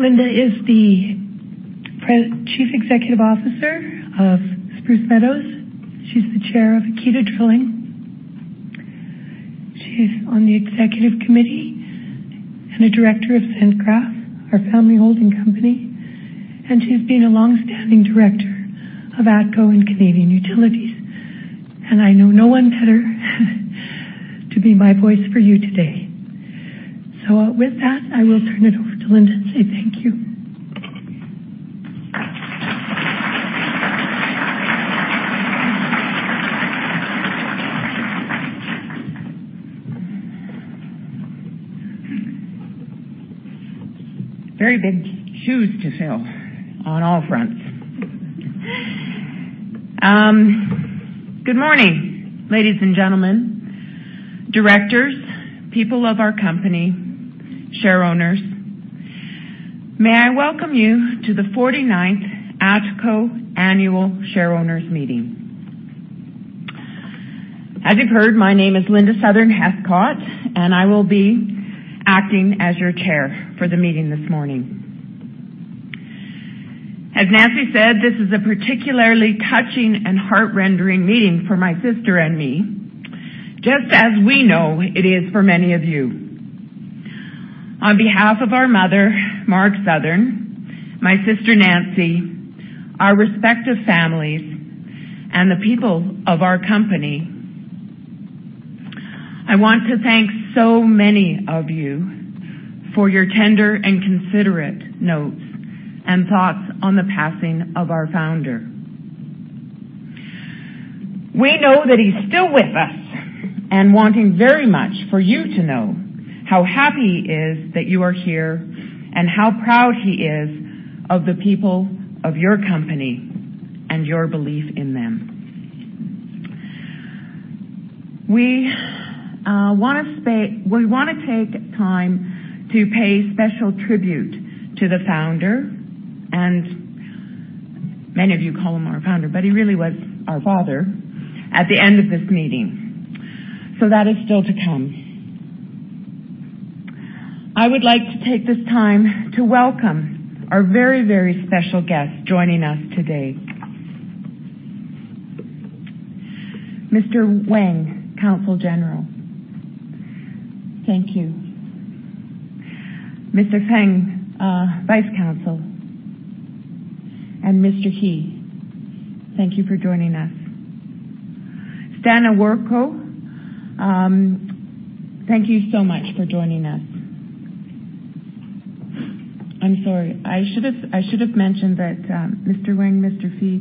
Linda is the Chief Executive Officer of Spruce Meadows. She's the Chair of Akita Drilling. She's on the executive committee and a director of Sentgraf, our family holding company, and she's been a longstanding director of ATCO and Canadian Utilities. I know no one better to be my voice for you today. With that, I will turn it over to Linda and say thank you. Very big shoes to fill on all fronts. Good morning, ladies and gentlemen, directors, people of our company, share owners. May I welcome you to the 49th ATCO Annual Shareowners Meeting. As you've heard, my name is Linda Southern-Heathcott, I will be acting as your Chair for the meeting this morning. As Nancy said, this is a particularly touching and heart-rendering meeting for my sister and me, just as we know it is for many of you. On behalf of our mother, Marg Southern, my sister Nancy, our respective families, and the people of our company, I want to thank so many of you for your tender and considerate notes and thoughts on the passing of our founder. We know that he's still with us wanting very much for you to know how happy he is that you are here and how proud he is of the people of your company and your belief in them. We want to take time to pay special tribute to the founder, many of you call him our founder, but he really was our father, at the end of this meeting. That is still to come. I would like to take this time to welcome our very, very special guests joining us today. Mr. Wang, Consul General. Thank you. Mr. Feng, Vice Consul, Mr. He, thank you for joining us. Stan Owerko, thank you so much for joining us. I'm sorry. I should have mentioned that Mr. Wang and Mr. He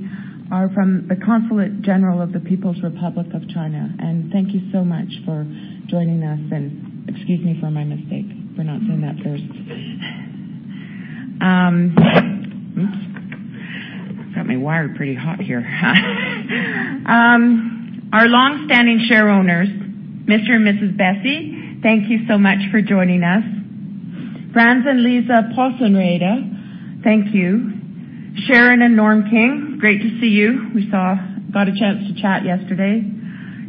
are from the Consulate General of the People's Republic of China. Thank you so much for joining us, excuse me for my mistake, for not saying that first. Oops. Got my wire pretty hot here. Our longstanding share owners, Mr. and Mrs. Besse, thank you so much for joining us. Frans and Lize Paasen-Reider, thank you. Sharon and Norm King, great to see you. We got a chance to chat yesterday.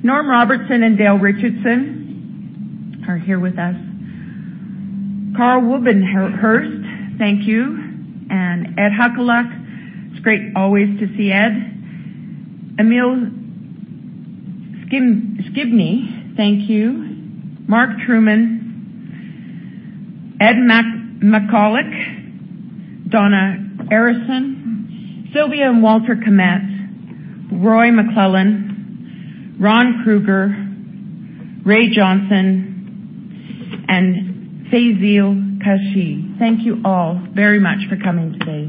Norm Robertson and Dale Richardson are here with us. Carl Wobenhurst, thank you. Ed Huculak, it's great always to see Ed. Emil Shibney, thank you. Mark Truman, Ed McCulloch, Donna Arison, Sylvia and Walter Kament, Roy McClellan, Ron Kruger, Ray Johnson, Fazil Kashy. Thank you all very much for coming today.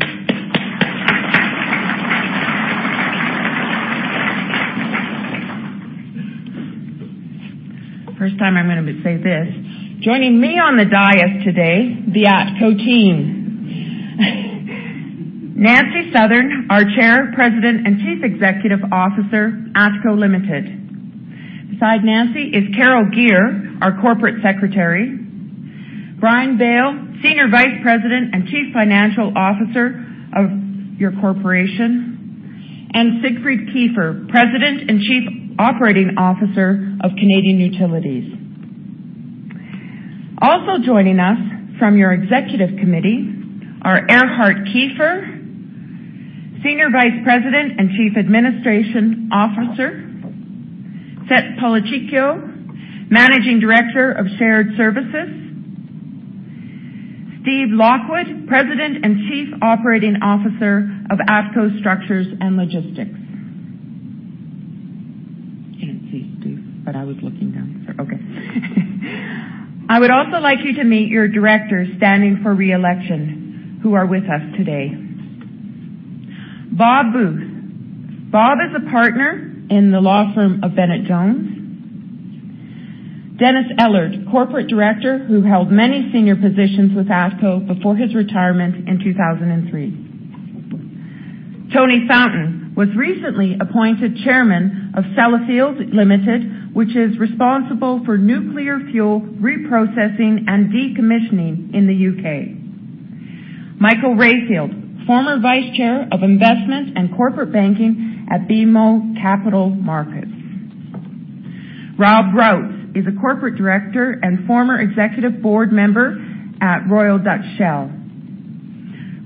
First time I'm going to say this. Joining me on the dais today, the ATCO team. Nancy Southern, our Chair, President, and Chief Executive Officer, ATCO Limited. Beside Nancy is Carol Gear, our Corporate Secretary. Brian Bale, Senior Vice President and Chief Financial Officer of your corporation, and Siegfried Kiefer, President and Chief Operating Officer of Canadian Utilities. Also joining us from your executive committee are Erhard Kiefer, Senior Vice President and Chief Administration Officer, Sett Policicchio, Managing Director of Shared Services, Steve Lockwood, President and Chief Operating Officer of ATCO Structures and Logistics. I didn't see Steve, but I was looking down, so okay. I would also like you to meet your directors standing for re-election who are with us today. Bob Booth. Bob is a partner in the law firm of Bennett Jones. Dennis Ellard, Corporate Director, who held many senior positions with ATCO before his retirement in 2003. Tony Fountain was recently appointed Chairman of Sellafield Ltd, which is responsible for nuclear fuel reprocessing and decommissioning in the U.K. Michael Rayfield, former Vice Chair of Investment and Corporate Banking at BMO Capital Markets. Rob Routs is a corporate director and former executive board member at Royal Dutch Shell.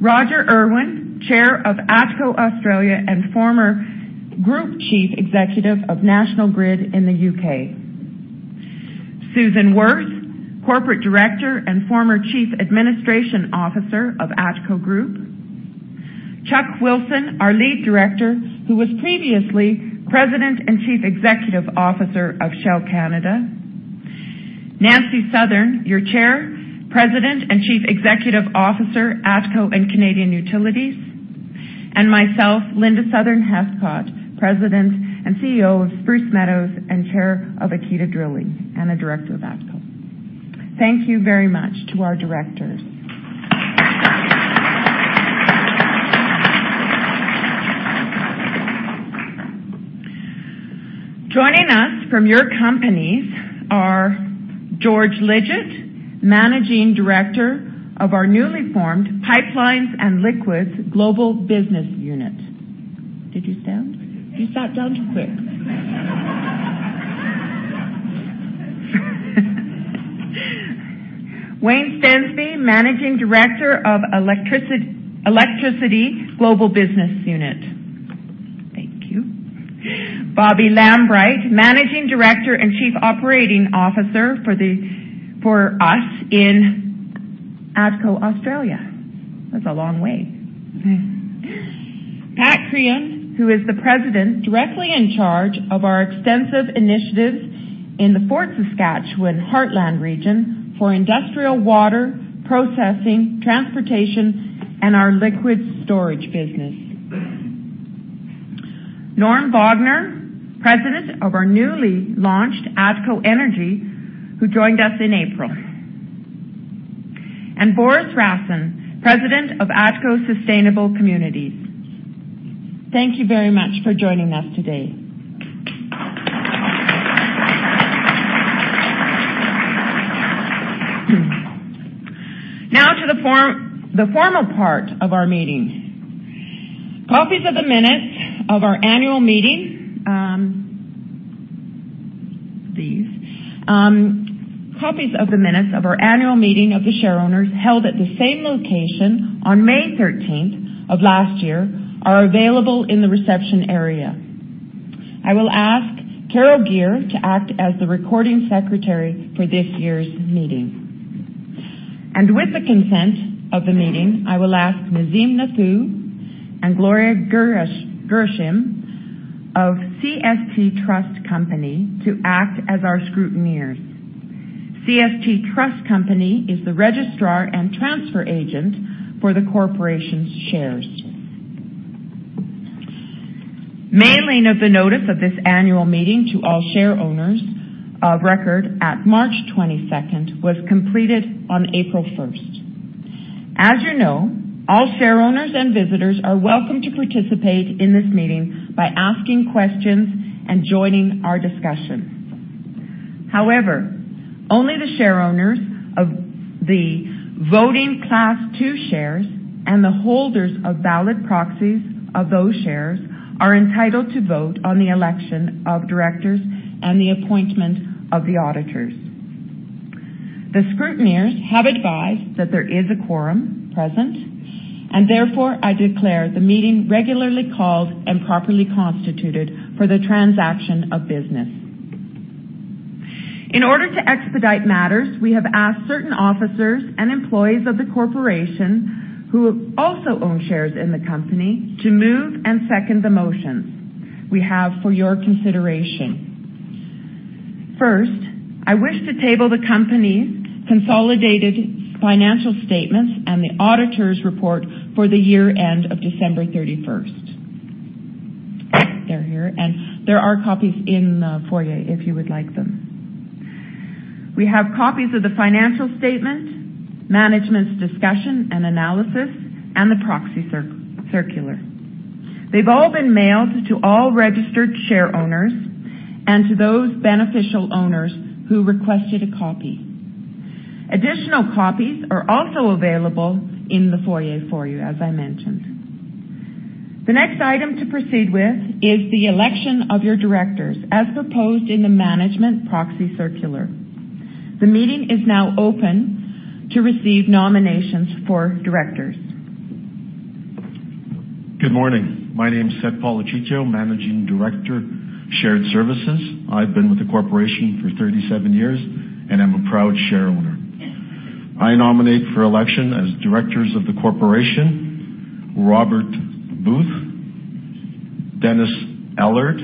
Roger Irwin, Chair of ATCO Australia and former Group Chief Executive of National Grid in the U.K. Susan Worth, Corporate Director and former Chief Administration Officer of ATCO Group. Chuck Wilson, our Lead Director, who was previously President and Chief Executive Officer of Shell Canada. Nancy Southern, your Chair, President and Chief Executive Officer, ATCO and Canadian Utilities, and myself, Linda Southern-Heathcott, President and CEO of Spruce Meadows and Chair of Akita Drilling, and a Director of ATCO. Thank you very much to our directors. Joining us from your companies are George Lidgett, Managing Director of our newly formed Pipelines and Liquids Global Business Unit. Did you stand? You sat down too quick. Wayne Stensby, Managing Director of Electricity Global Business Unit. Thank you. Bobbi Lambright, Managing Director and Chief Operating Officer for us in ATCO Australia. That's a long way. Pat Crean, who is the President directly in charge of our extensive initiatives in the Fort Saskatchewan Heartland region for industrial water processing, transportation, and our liquid storage business. Norm Wagner, President of our newly launched ATCO Energy, who joined us in April. Boris Rassin, President of ATCO Sustainable Communities. Thank you very much for joining us today. Now to the formal part of our meeting. Copies of the minutes of our annual meeting of the share owners held at the same location on May 13th of last year are available in the reception area. I will ask Carol Gear to act as the recording secretary for this year's meeting. With the consent of the meeting, I will ask Nazim Nathoo and Gloria Gershom of CST Trust Company to act as our scrutineers. CST Trust Company is the registrar and transfer agent for the corporation's shares. Mailing of the notice of this annual meeting to all share owners of record at March 22nd was completed on April 1st. As you know, all share owners and visitors are welcome to participate in this meeting by asking questions and joining our discussion. However, only the share owners of the voting Class II shares and the holders of valid proxies of those shares are entitled to vote on the election of directors and the appointment of the auditors. The scrutineers have advised that there is a quorum present, and therefore, I declare the meeting regularly called and properly constituted for the transaction of business. In order to expedite matters, we have asked certain officers and employees of the corporation who also own shares in the company to move and second the motions we have for your consideration. First, I wish to table the company's consolidated financial statements and the auditor's report for the year end of December 31st. They are here, and there are copies in the foyer if you would like them. We have copies of the financial statement, management's discussion and analysis, and the proxy circular. They have all been mailed to all registered shareowners and to those beneficial owners who requested a copy. Additional copies are also available in the foyer for you, as I mentioned. The next item to proceed with is the election of your directors as proposed in the management proxy circular. The meeting is now open to receive nominations for directors. Good morning. My name is Sett Policicchio, Managing Director, Shared Services. I have been with the corporation for 37 years, and I am a proud shareowner. I nominate for election as directors of the corporation, Robert Booth, Dennis Ellard,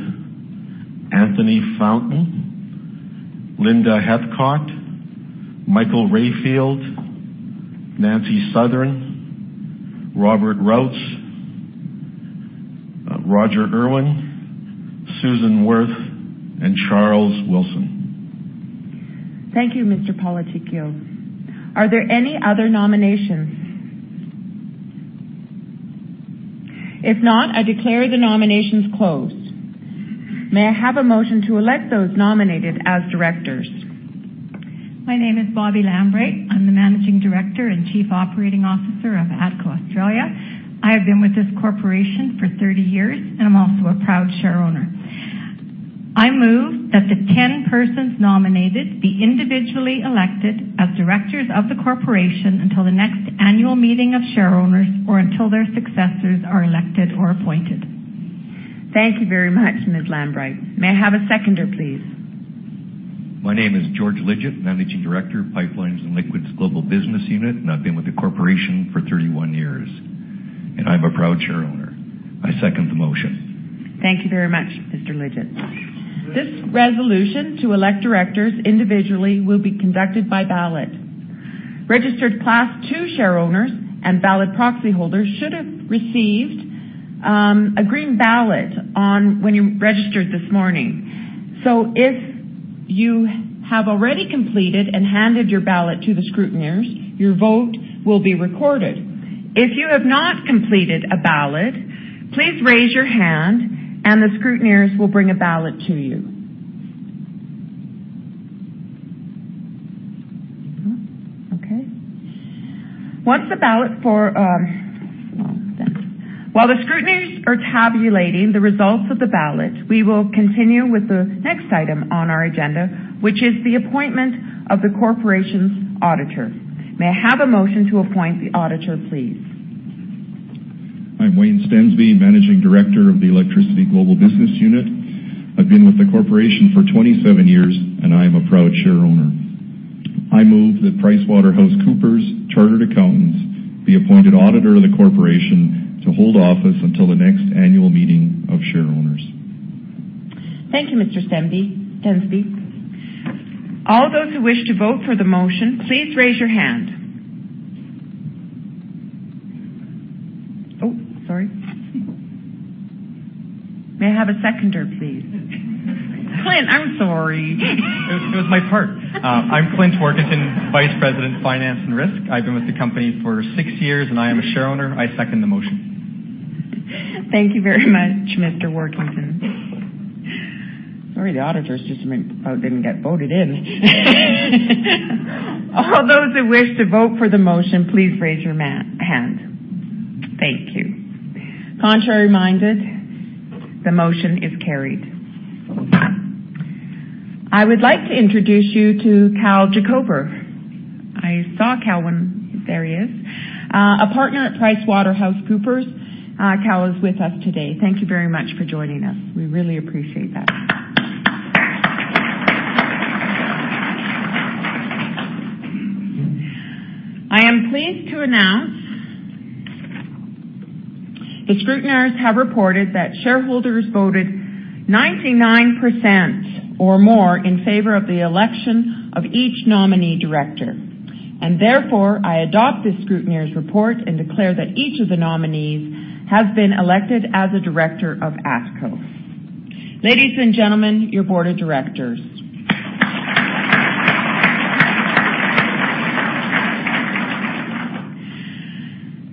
Anthony Fountain, Linda Heathcott, Michael Rayfield, Nancy Southern, Robert Routs, Roger Irwin, Susan Worth, and Charles Wilson. Thank you, Mr. Policicchio. Are there any other nominations? If not, I declare the nominations closed. May I have a motion to elect those nominated as directors? My name is Bobbi Lambright. I am the Managing Director and Chief Operating Officer of ATCO Australia. I have been with this corporation for 30 years, and I am also a proud shareowner. I move that the 10 persons nominated be individually elected as directors of the corporation until the next annual meeting of shareowners or until their successors are elected or appointed. Thank you very much, Ms. Lambright. May I have a seconder, please? My name is George Lidgett, Managing Director of Pipelines and Liquids Global Business Unit, and I've been with the corporation for 31 years, and I'm a proud shareowner. I second the motion. Thank you very much, Mr. Lidgett. This resolution to elect directors individually will be conducted by ballot. Registered Class II shareowners and ballot proxy holders should have received a green ballot when you registered this morning. If you have already completed and handed your ballot to the scrutineers, your vote will be recorded. If you have not completed a ballot, please raise your hand, and the scrutineers will bring a ballot to you. Okay. While the scrutineers are tabulating the results of the ballot, we will continue with the next item on our agenda, which is the appointment of the corporation's auditor. May I have a motion to appoint the auditor, please? I'm Wayne Stensby, Managing Director of the Electricity Global Business Unit. I've been with the corporation for 27 years, and I am a proud shareowner. I move that PricewaterhouseCoopers Chartered Accountants be appointed auditor of the corporation to hold office until the next annual meeting of shareowners. Thank you, Mr. Stensby. Sorry. May I have a seconder, please? Clint, I'm sorry. It was my part. I'm Clint Warkentin, Vice President of Finance and Risk. I've been with the company for six years, and I am a shareowner. I second the motion. Thank you very much, Mr. Warkentin. Sorry, the auditors just didn't get voted in. All those who wish to vote for the motion, please raise your hand. Thank you. Contrary-minded? The motion is carried. I would like to introduce you to Calvin Jacober. I saw Cal. There he is. A partner at PricewaterhouseCoopers. Cal is with us today. Thank you very much for joining us. We really appreciate that. I am pleased to announce the scrutineers have reported that shareholders voted 99% or more in favor of the election of each nominee director, and therefore, I adopt the scrutineers' report and declare that each of the nominees has been elected as a director of ATCO. Ladies and gentlemen, your board of directors.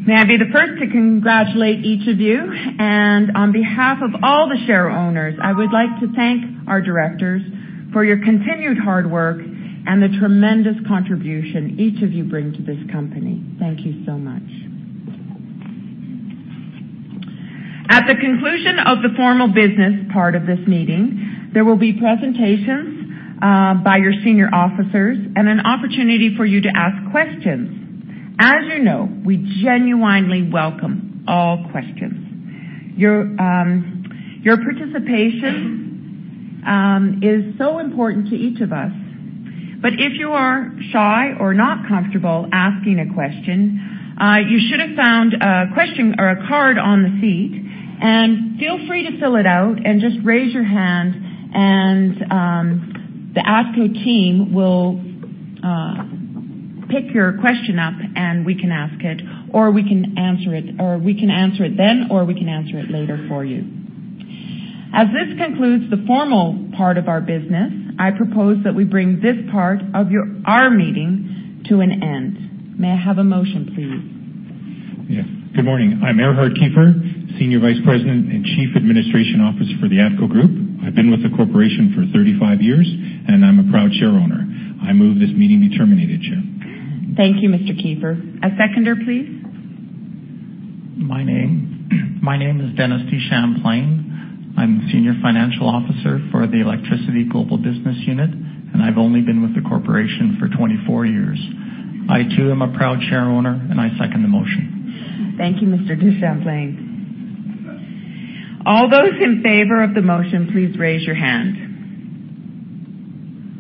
May I be the first to congratulate each of you, and on behalf of all the shareowners, I would like to thank our directors for your continued hard work and the tremendous contribution each of you bring to this company. Thank you so much. At the conclusion of the formal business part of this meeting, there will be presentations by your senior officers and an opportunity for you to ask questions. As you know, we genuinely welcome all questions. Your participation is so important to each of us, but if you are shy or not comfortable asking a question, you should have found a card on the seat, and feel free to fill it out and just raise your hand and the ATCO team will pick your question up, and we can ask it, or we can answer it then, or we can answer it later for you. As this concludes the formal part of our business, I propose that we bring this part of our meeting to an end. May I have a motion, please? Yes. Good morning. I'm Erhard Kiefer, Senior Vice President and Chief Administration Officer for the ATCO Group. I've been with the corporation for 35 years, and I'm a proud shareowner. I move this meeting be terminated, Chair. Thank you, Mr. Kiefer. A seconder, please. My name is Dennis DeChamplain. I'm the Senior Financial Officer for the Electricity Global Business Unit, and I've only been with the corporation for 24 years. I, too, am a proud shareowner, and I second the motion. Thank you, Mr. DeChamplain. All those in favor of the motion, please raise your hands.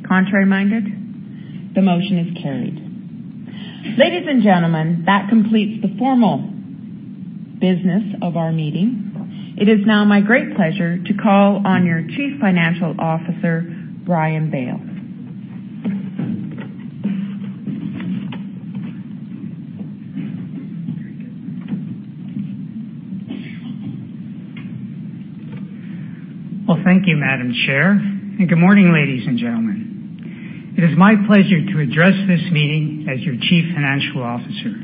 Contrary-minded? The motion is carried. Ladies and gentlemen, that completes the formal business of our meeting. It is now my great pleasure to call on your Chief Financial Officer, Brian Bale. Well, thank you, Madam Chair, and good morning, ladies and gentlemen. It is my pleasure to address this meeting as your Chief Financial Officer.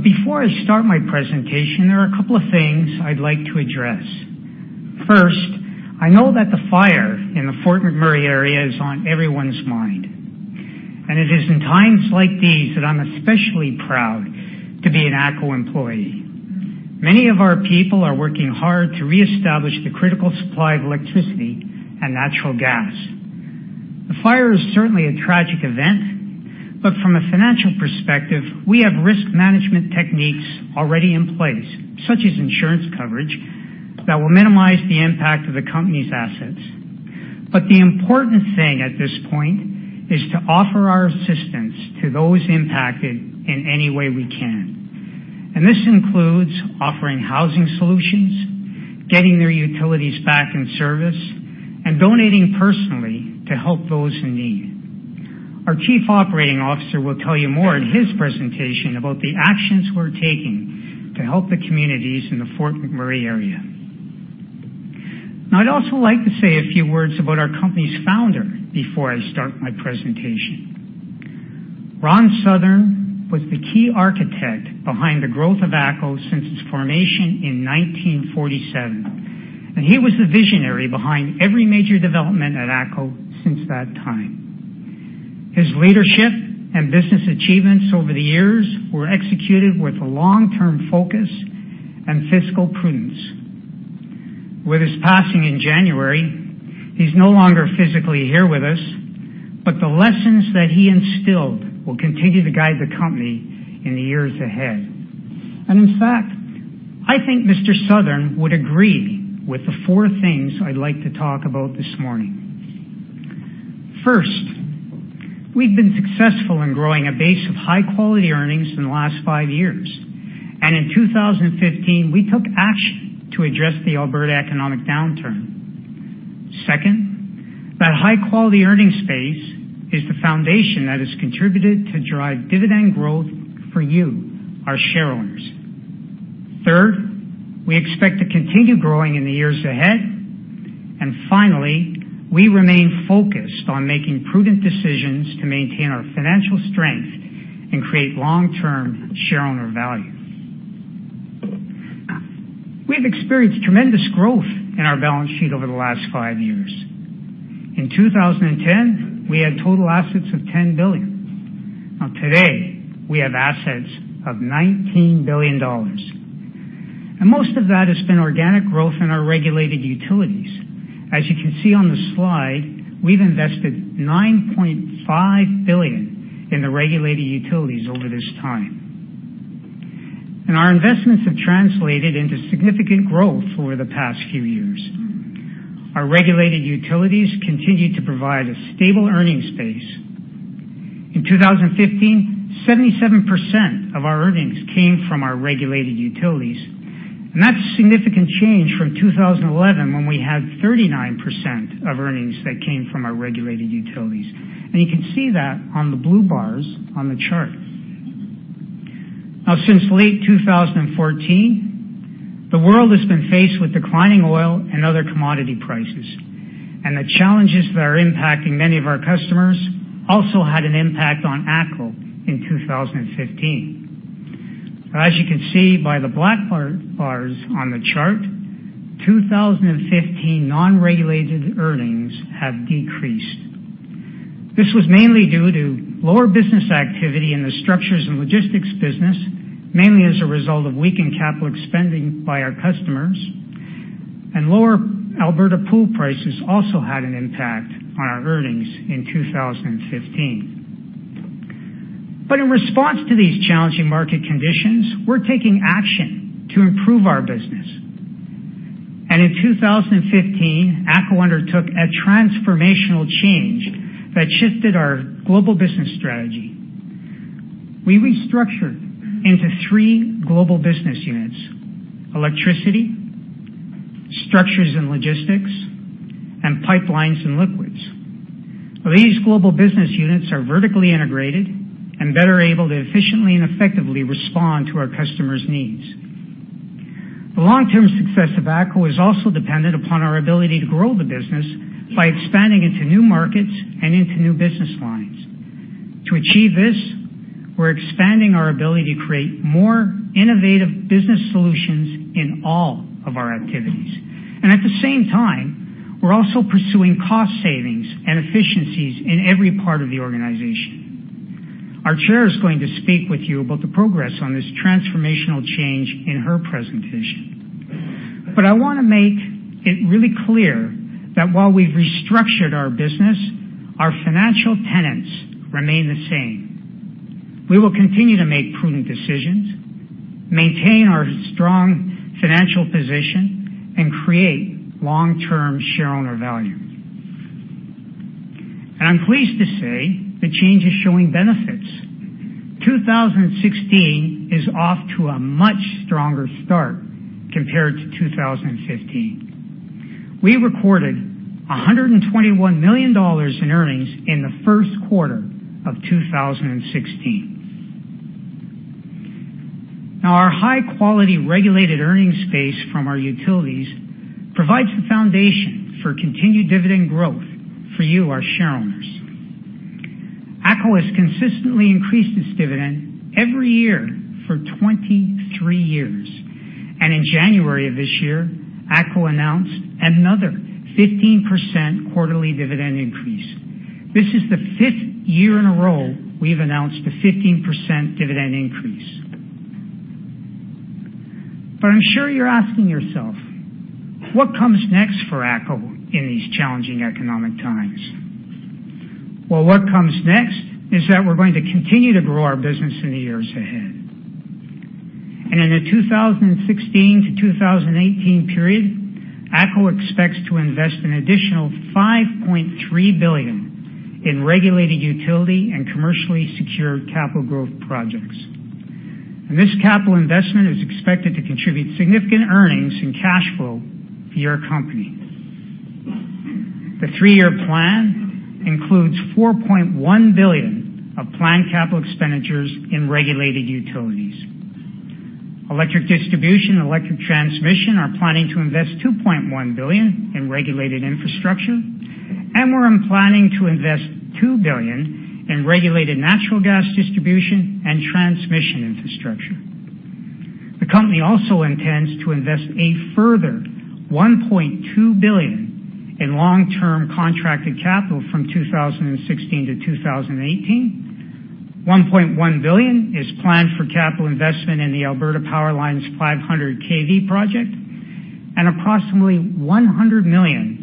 Before I start my presentation, there are a couple of things I'd like to address. First, I know that the fire in the Fort McMurray area is on everyone's mind, and it is in times like these that I'm especially proud to be an ATCO employee. Many of our people are working hard to reestablish the critical supply of electricity and natural gas. The fire is certainly a tragic event, but from a financial perspective, we have risk management techniques already in place, such as insurance coverage, that will minimize the impact to the company's assets. The important thing at this point is to offer our assistance to those impacted in any way we can. This includes offering housing solutions, getting their utilities back in service, and donating personally to help those in need. Our Chief Operating Officer will tell you more in his presentation about the actions we're taking to help the communities in the Fort McMurray area. I'd also like to say a few words about our company's founder before I start my presentation. Ron Southern was the key architect behind the growth of ATCO since its formation in 1947, and he was the visionary behind every major development at ATCO since that time. His leadership and business achievements over the years were executed with a long-term focus and fiscal prudence. With his passing in January, he's no longer physically here with us, the lessons that he instilled will continue to guide the company in the years ahead. In fact, I think Mr. Southern would agree with the four things I'd like to talk about this morning. First, we've been successful in growing a base of high-quality earnings in the last five years. In 2015, we took action to address the Alberta economic downturn. Second, that high-quality earnings base is the foundation that has contributed to drive dividend growth for you, our shareowners. Third, we expect to continue growing in the years ahead. Finally, we remain focused on making prudent decisions to maintain our financial strength and create long-term shareowner value. We've experienced tremendous growth in our balance sheet over the last five years. In 2010, we had total assets of 10 billion. Today, we have assets of 19 billion dollars, and most of that has been organic growth in our regulated utilities. As you can see on the slide, we've invested 9.5 billion in the regulated utilities over this time. Our investments have translated into significant growth over the past few years. Our regulated utilities continue to provide a stable earnings base. In 2015, 77% of our earnings came from our regulated utilities, and that's a significant change from 2011, when we had 39% of earnings that came from our regulated utilities. You can see that on the blue bars on the chart. Since late 2014, the world has been faced with declining oil and other commodity prices, and the challenges that are impacting many of our customers also had an impact on ATCO in 2015. As you can see by the black bars on the chart, 2015 non-regulated earnings have decreased. This was mainly due to lower business activity in the Structures and Logistics business, mainly as a result of weakened capital spending by our customers, and lower Alberta pool prices also had an impact on our earnings in 2015. In response to these challenging market conditions, we're taking action to improve our business. In 2015, ATCO undertook a transformational change that shifted our global business strategy. We restructured into three global business units, Electricity, Structures and Logistics, and Pipelines & Liquids. These global business units are vertically integrated and better able to efficiently and effectively respond to our customers' needs. The long-term success of ATCO is also dependent upon our ability to grow the business by expanding into new markets and into new business lines. To achieve this, we're expanding our ability to create more innovative business solutions in all of our activities. At the same time, we're also pursuing cost savings and efficiencies in every part of the organization. Our chair is going to speak with you about the progress on this transformational change in her presentation. I want to make it really clear that while we've restructured our business, our financial tenets remain the same. We will continue to make prudent decisions, maintain our strong financial position, and create long-term shareowner value. I'm pleased to say the change is showing benefits. 2016 is off to a much stronger start compared to 2015. We recorded 121 million dollars in earnings in the first quarter of 2016. Our high-quality regulated earnings base from our utilities provides the foundation for continued dividend growth for you, our shareowners. ATCO has consistently increased its dividend every year for 23 years. In January of this year, ATCO announced another 15% quarterly dividend increase. This is the fifth year in a row we've announced a 15% dividend increase. I'm sure you're asking yourself, "What comes next for ATCO in these challenging economic times?" What comes next is that we're going to continue to grow our business in the years ahead. In the 2016 to 2018 period, ATCO expects to invest an additional 5.3 billion in regulated utility and commercially secured capital growth projects. This capital investment is expected to contribute significant earnings and cash flow for your company. The three-year plan includes 4.1 billion of planned capital expenditures in regulated utilities. Electric distribution and electric transmission are planning to invest 2.1 billion in regulated infrastructure, and we're planning to invest 2 billion in regulated natural gas distribution and transmission infrastructure. The company also intends to invest a further 1.2 billion in long-term contracted capital from 2016 to 2018. 1.1 billion is planned for capital investment in the Alberta PowerLine 500 kV project, and approximately 100 million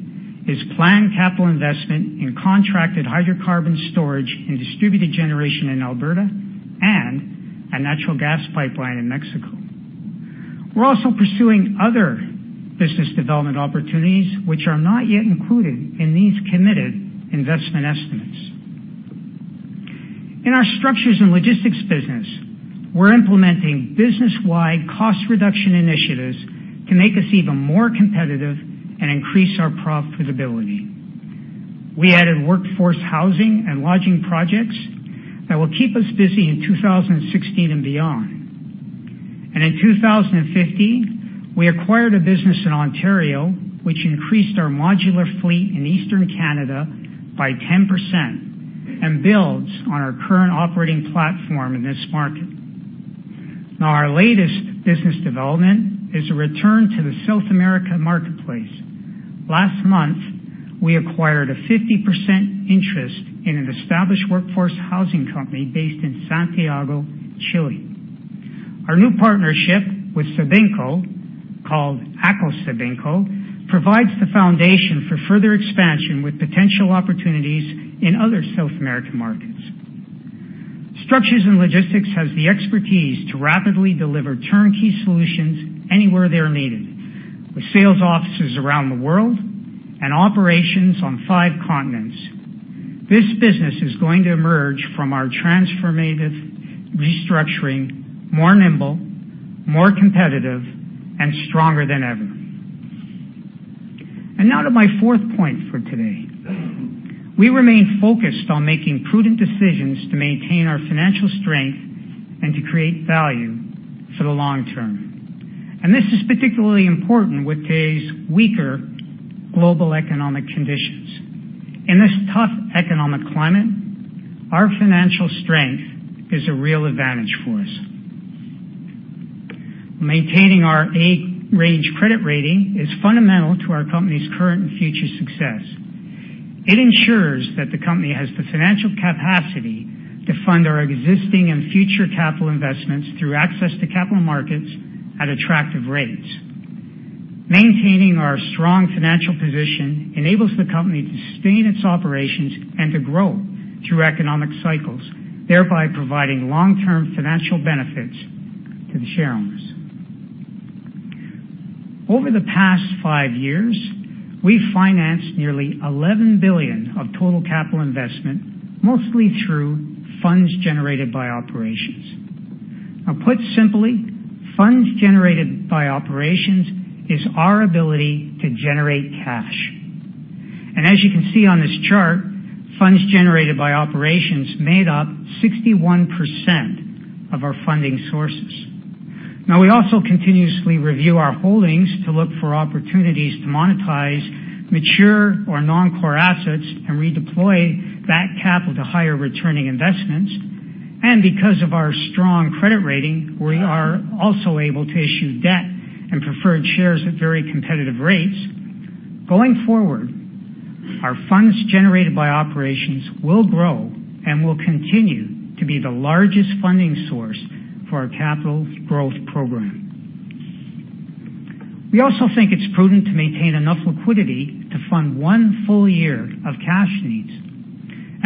is planned capital investment in contracted hydrocarbon storage and distributed generation in Alberta and a natural gas pipeline in Mexico. We are also pursuing other business development opportunities which are not yet included in these committed investment estimates. In our structures and logistics business, we are implementing business-wide cost reduction initiatives to make us even more competitive and increase our profitability. We added workforce housing and lodging projects that will keep us busy in 2016 and beyond. In 2015, we acquired a business in Ontario, which increased our modular fleet in Eastern Canada by 10% and builds on our current operating platform in this market. Our latest business development is a return to the South America marketplace. Last month, we acquired a 50% interest in an established workforce housing company based in Santiago, Chile. Our new partnership with Sabinco, called ATCO Sabinco, provides the foundation for further expansion with potential opportunities in other South American markets. Structures and logistics has the expertise to rapidly deliver turnkey solutions anywhere they are needed, with sales offices around the world and operations on five continents. This business is going to emerge from our transformative restructuring more nimble, more competitive, and stronger than ever. Now to my fourth point for today. We remain focused on making prudent decisions to maintain our financial strength and to create value for the long term. This is particularly important with today's weaker global economic conditions. In this tough economic climate, our financial strength is a real advantage for us. Maintaining our A-range credit rating is fundamental to our company's current and future success. It ensures that the company has the financial capacity to fund our existing and future capital investments through access to capital markets at attractive rates. Maintaining our strong financial position enables the company to sustain its operations and to grow through economic cycles, thereby providing long-term financial benefits to the shareholders. Over the past five years, we have financed nearly 11 billion of total capital investment, mostly through funds generated by operations. Put simply, funds generated by operations is our ability to generate cash. As you can see on this chart, funds generated by operations made up 61% of our funding sources. We also continuously review our holdings to look for opportunities to monetize mature or non-core assets and redeploy that capital to higher returning investments. Because of our strong credit rating, we are also able to issue debt and preferred shares at very competitive rates. Going forward, our funds generated by operations will grow and will continue to be the largest funding source for our capital growth program. We also think it is prudent to maintain enough liquidity to fund one full year of cash needs.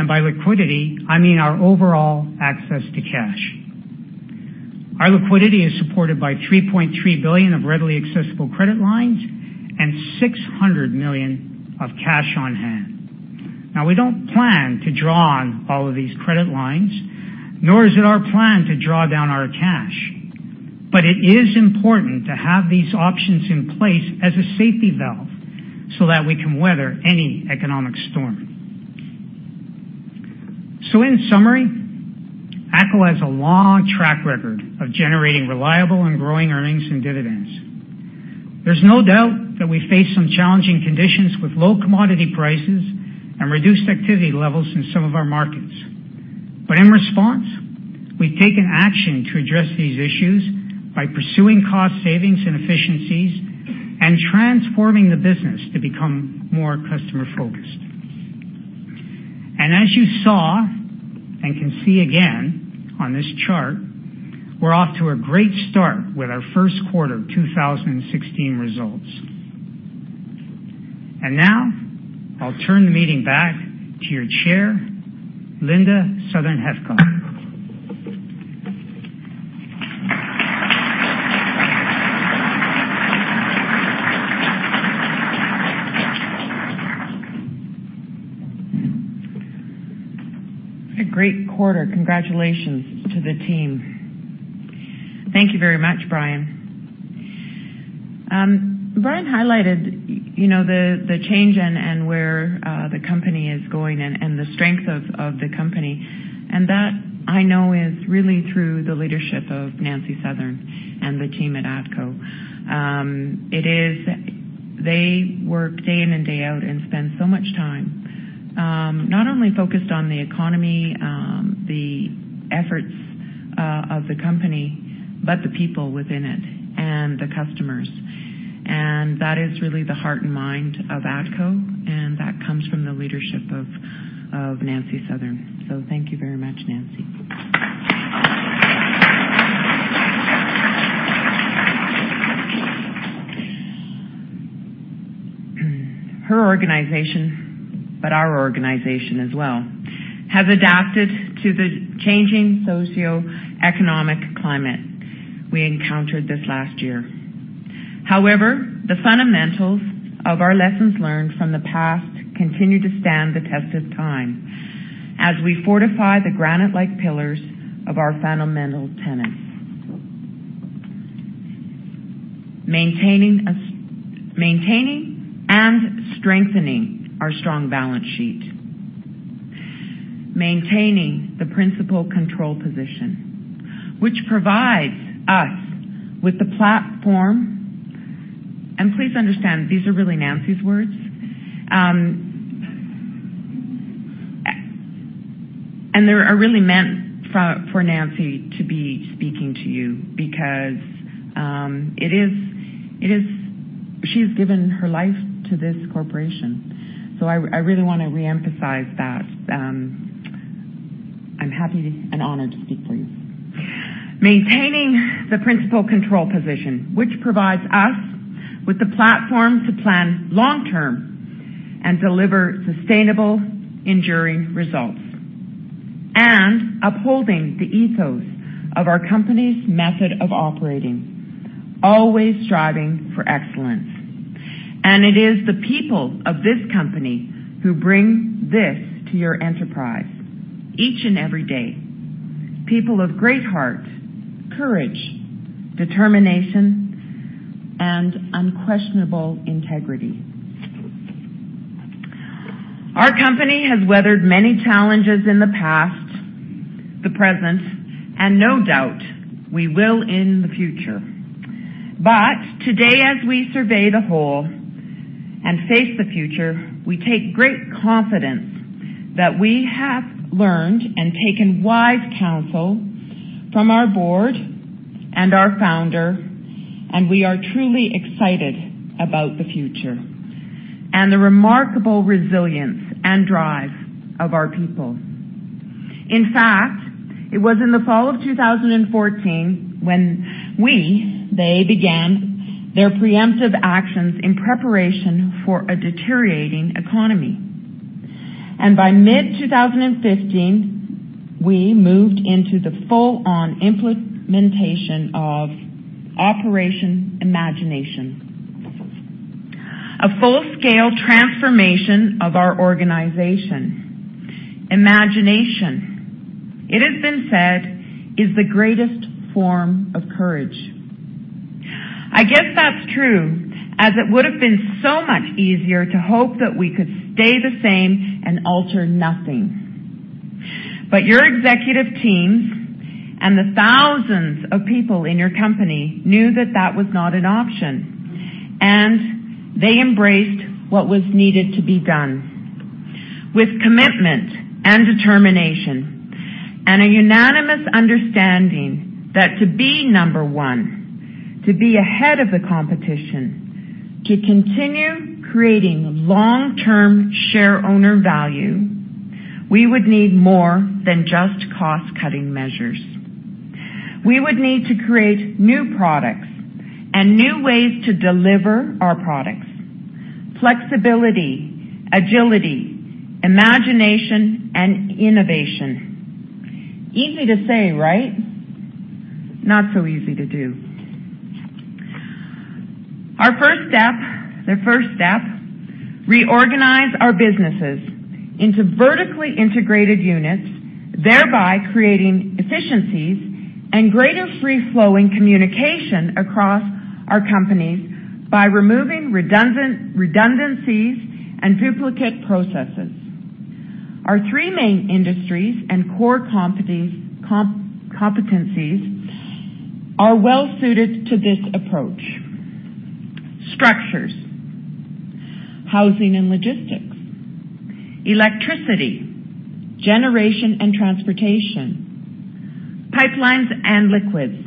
By liquidity, I mean our overall access to cash. Our liquidity is supported by 3.3 billion of readily accessible credit lines and 600 million of cash on hand. We do not plan to draw on all of these credit lines, nor is it our plan to draw down our cash. It is important to have these options in place as a safety valve so that we can weather any economic storm. In summary, ATCO has a long track record of generating reliable and growing earnings and dividends. There's no doubt that we face some challenging conditions with low commodity prices and reduced activity levels in some of our markets. In response, we've taken action to address these issues by pursuing cost savings and efficiencies and transforming the business to become more customer-focused. As you saw, and can see again on this chart, we're off to a great start with our first quarter of 2016 results. Now, I'll turn the meeting back to your chair, Linda Southern-Heathcott. What a great quarter. Congratulations to the team. Thank you very much, Brian. Brian highlighted the change and where the company is going and the strength of the company. That I know is really through the leadership of Nancy Southern and the team at ATCO. They work day in and day out and spend so much time, not only focused on the economy, the efforts of the company, but the people within it and the customers. That is really the heart and mind of ATCO, and that comes from the leadership of Nancy Southern. Thank you very much, Nancy. Her organization, but our organization as well, has adapted to the changing socioeconomic climate we encountered this last year. However, the fundamentals of our lessons learned from the past continue to stand the test of time as we fortify the granite-like pillars of our fundamental tenets. Maintaining and strengthening our strong balance sheet, maintaining the principal control position, which provides us with the platform. Please understand, these are really Nancy's words. They are really meant for Nancy to be speaking to you because she has given her life to this corporation. I really want to re-emphasize that. I'm happy and honored to speak for you. Maintaining the principal control position, which provides us with the platform to plan long-term and deliver sustainable, enduring results, and upholding the ethos of our company's method of operating, always striving for excellence. It is the people of this company who bring this to your enterprise each and every day. People of great heart, courage, determination, and unquestionable integrity. Our company has weathered many challenges in the past, the present, and no doubt, we will in the future. Today, as we survey the whole and face the future, we take great confidence that we have learned and taken wise counsel from our board and our founder, and we are truly excited about the future and the remarkable resilience and drive of our people. In fact, it was in the fall of 2014 when we, they, began their preemptive actions in preparation for a deteriorating economy. By mid-2015, we moved into the full-on implementation of Operation Imagination, a full-scale transformation of our organization. Imagination, it has been said, is the greatest form of courage. I guess that's true, as it would've been so much easier to hope that we could stay the same and alter nothing. Your executive teams and the thousands of people in your company knew that that was not an option, and they embraced what was needed to be done with commitment and determination and a unanimous understanding that to be number one, to be ahead of the competition, to continue creating long-term shareowner value, we would need more than just cost-cutting measures. We would need to create new products and new ways to deliver our products. Flexibility, agility, imagination, and innovation. Easy to say, right? Not so easy to do. Our first step, reorganize our businesses into vertically integrated units, thereby creating efficiencies and greater free-flowing communication across our companies by removing redundancies and duplicate processes. Our three main industries and core competencies are well-suited to this approach. Structures, housing, and logistics. Electricity, generation and transportation. Pipelines & Liquids,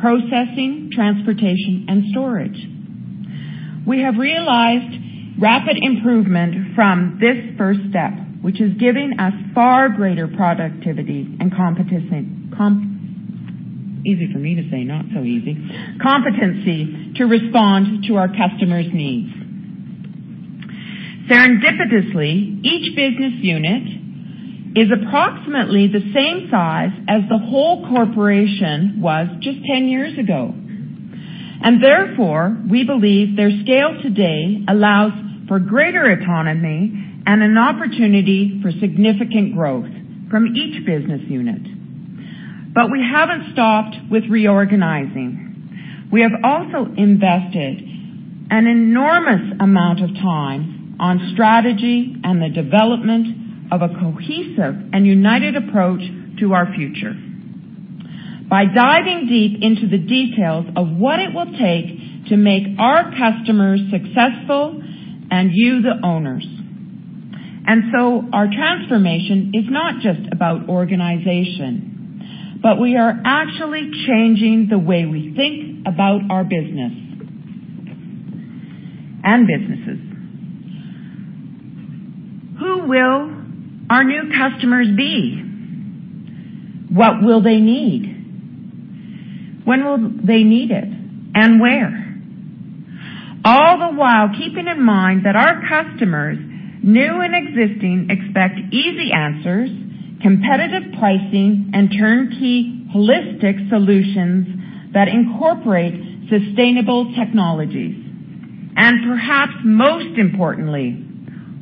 processing, transportation, and storage. We have realized rapid improvement from this first step, which is giving us far greater productivity and competency to respond to our customers' needs. Serendipitously, each business unit is approximately the same size as the whole corporation was just 10 years ago. Therefore, we believe their scale today allows for greater economy and an opportunity for significant growth from each business unit. We haven't stopped with reorganizing. We have also invested an enormous amount of time on strategy and the development of a cohesive and united approach to our future by diving deep into the details of what it will take to make our customers successful and you the owners. Our transformation is not just about organization, but we are actually changing the way we think about our business and businesses. Who will our new customers be? What will they need? When will they need it, and where? All the while keeping in mind that our customers, new and existing, expect easy answers, competitive pricing, and turnkey holistic solutions that incorporate sustainable technologies. Perhaps most importantly,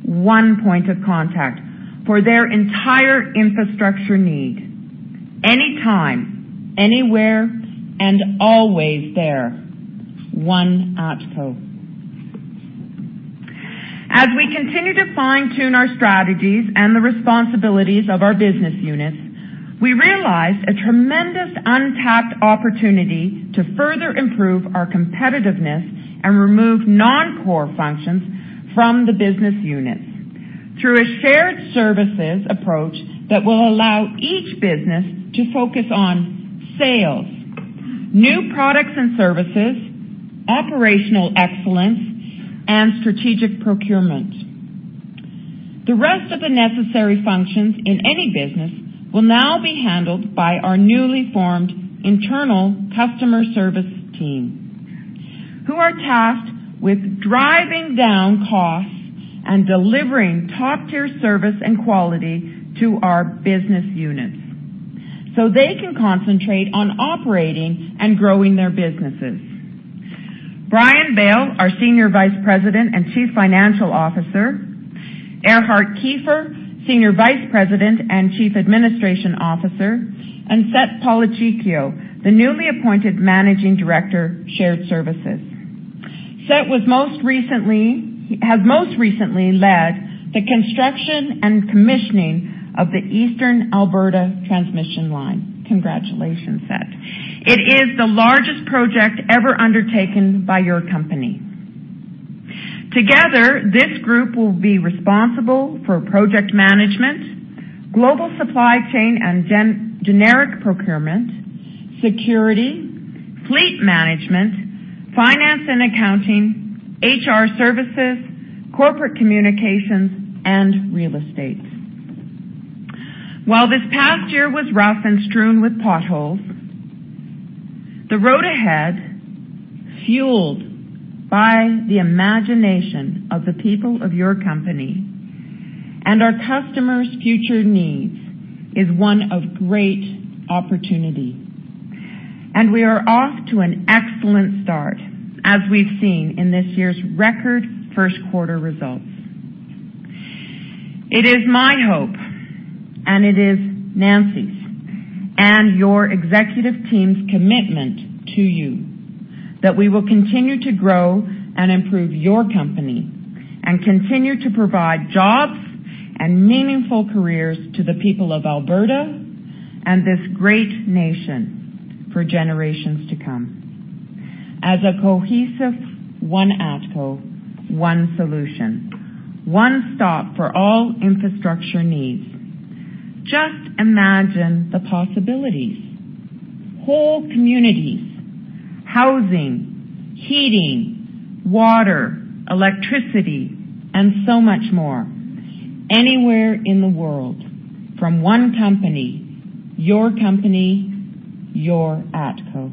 one point of contact for their entire infrastructure need, anytime, anywhere, and always there. One ATCO. As we continue to fine-tune our strategies and the responsibilities of our business units, we realized a tremendous untapped opportunity to further improve our competitiveness and remove non-core functions from the business units through a shared services approach that will allow each business to focus on sales, new products and services, operational excellence, and strategic procurement. The rest of the necessary functions in any business will now be handled by our newly formed internal customer service team, who are tasked with driving down costs and delivering top-tier service and quality to our business units so they can concentrate on operating and growing their businesses. Brian Bale, our Senior Vice President and Chief Financial Officer, Erhard Kiefer, Senior Vice President and Chief Administration Officer, and Sett Policicchio, the newly appointed Managing Director, Shared Services. Sett has most recently led the construction and commissioning of the Eastern Alberta Transmission Line. Congratulations, Sett. It is the largest project ever undertaken by your company. Together, this group will be responsible for project management, global supply chain and generic procurement, security, fleet management, finance and accounting, HR services, corporate communications, and real estate. While this past year was rough and strewn with potholes, the road ahead, fueled by the imagination of the people of your company and our customers' future needs, is one of great opportunity. We are off to an excellent start, as we've seen in this year's record first-quarter results. It is my hope, and it is Nancy's, and your executive team's commitment to you that we will continue to grow and improve your company and continue to provide jobs and meaningful careers to the people of Alberta and this great nation for generations to come. As a cohesive one ATCO, one solution, one stop for all infrastructure needs. Just imagine the possibilities. Whole communities, housing, heating, water, electricity, and so much more, anywhere in the world from one company, your company, your ATCO.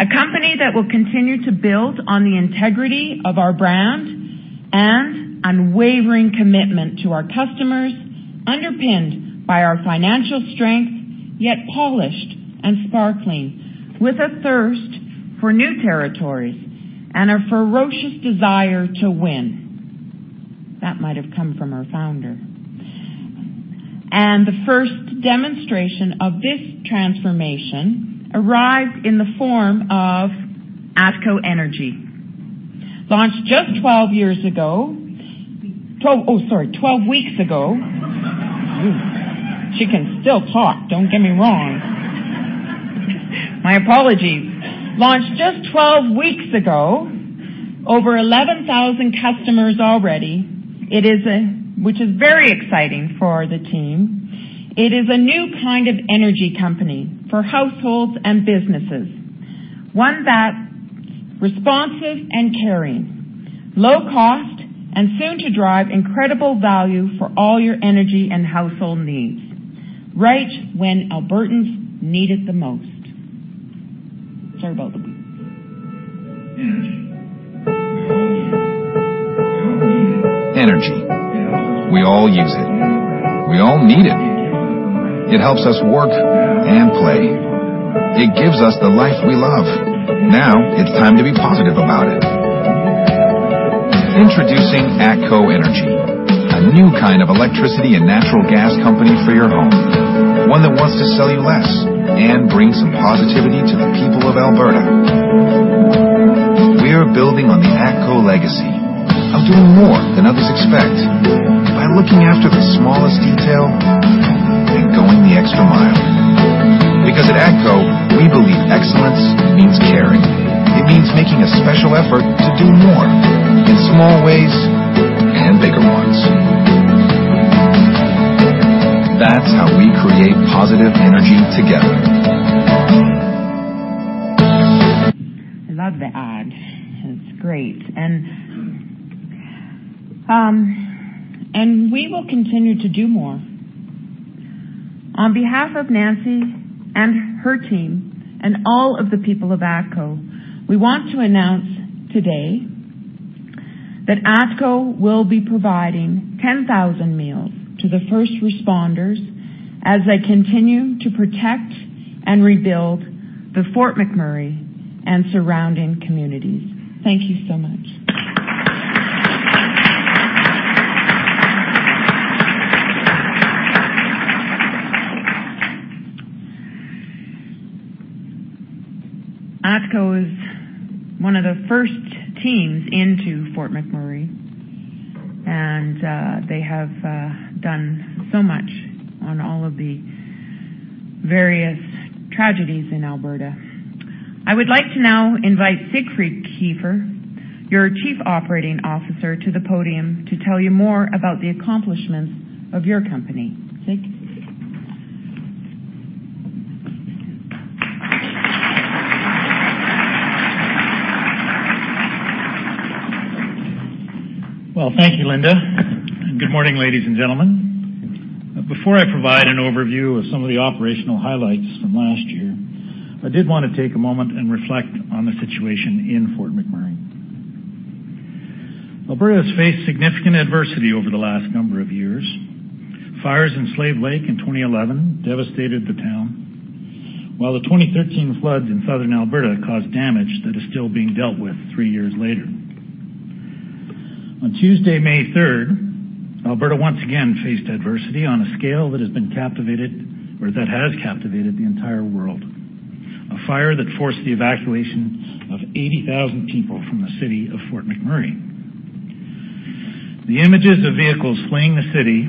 A company that will continue to build on the integrity of our brand and unwavering commitment to our customers, underpinned by our financial strength, yet polished and sparkling with a thirst for new territories and a ferocious desire to win. That might have come from our founder. The first demonstration of this transformation arrives in the form of ATCO Energy. Launched just 12 weeks ago. She can still talk. Don't get me wrong. My apologies. Launched just 12 weeks ago, over 11,000 customers already, which is very exciting for the team. It is a new kind of energy company for households and businesses. One that's responsive and caring, low cost, and soon to drive incredible value for all your energy and household needs right when Albertans need it the most. Sorry about that. Energy. We all use it. We all need it. It helps us work and play. It gives us the life we love. Now it's time to be positive about it. Introducing ATCO Energy, a new kind of electricity and natural gas company for your home. One that wants to sell you less and bring some positivity to the people of Alberta. We are building on the ATCO legacy of doing more than others expect by looking after the smallest detail and going the extra mile. Because at ATCO, we believe excellence means caring. It means making a special effort to do more in small ways and bigger ones. That's how we create positive energy together. I love the ad. It's great. We will continue to do more. On behalf of Nancy and her team and all of the people of ATCO, we want to announce today that ATCO will be providing 10,000 meals to the first responders as they continue to protect and rebuild the Fort McMurray and surrounding communities. Thank you so much. ATCO was one of the first teams into Fort McMurray, and they have done so much on all of the various tragedies in Alberta. I would like to now invite Siegfried Kiefer, your Chief Operating Officer, to the podium to tell you more about the accomplishments of your company. Sig? Well, thank you, Linda. Good morning, ladies and gentlemen. Before I provide an overview of some of the operational highlights from last year, I did want to take a moment and reflect on the situation in Fort McMurray. Alberta has faced significant adversity over the last number of years. Fires in Slave Lake in 2011 devastated the town, while the 2013 floods in Southern Alberta caused damage that is still being dealt with three years later. On Tuesday, May 3rd, Alberta once again faced adversity on a scale that has captivated the entire world. A fire that forced the evacuation of 80,000 people from the city of Fort McMurray. The images of vehicles fleeing the city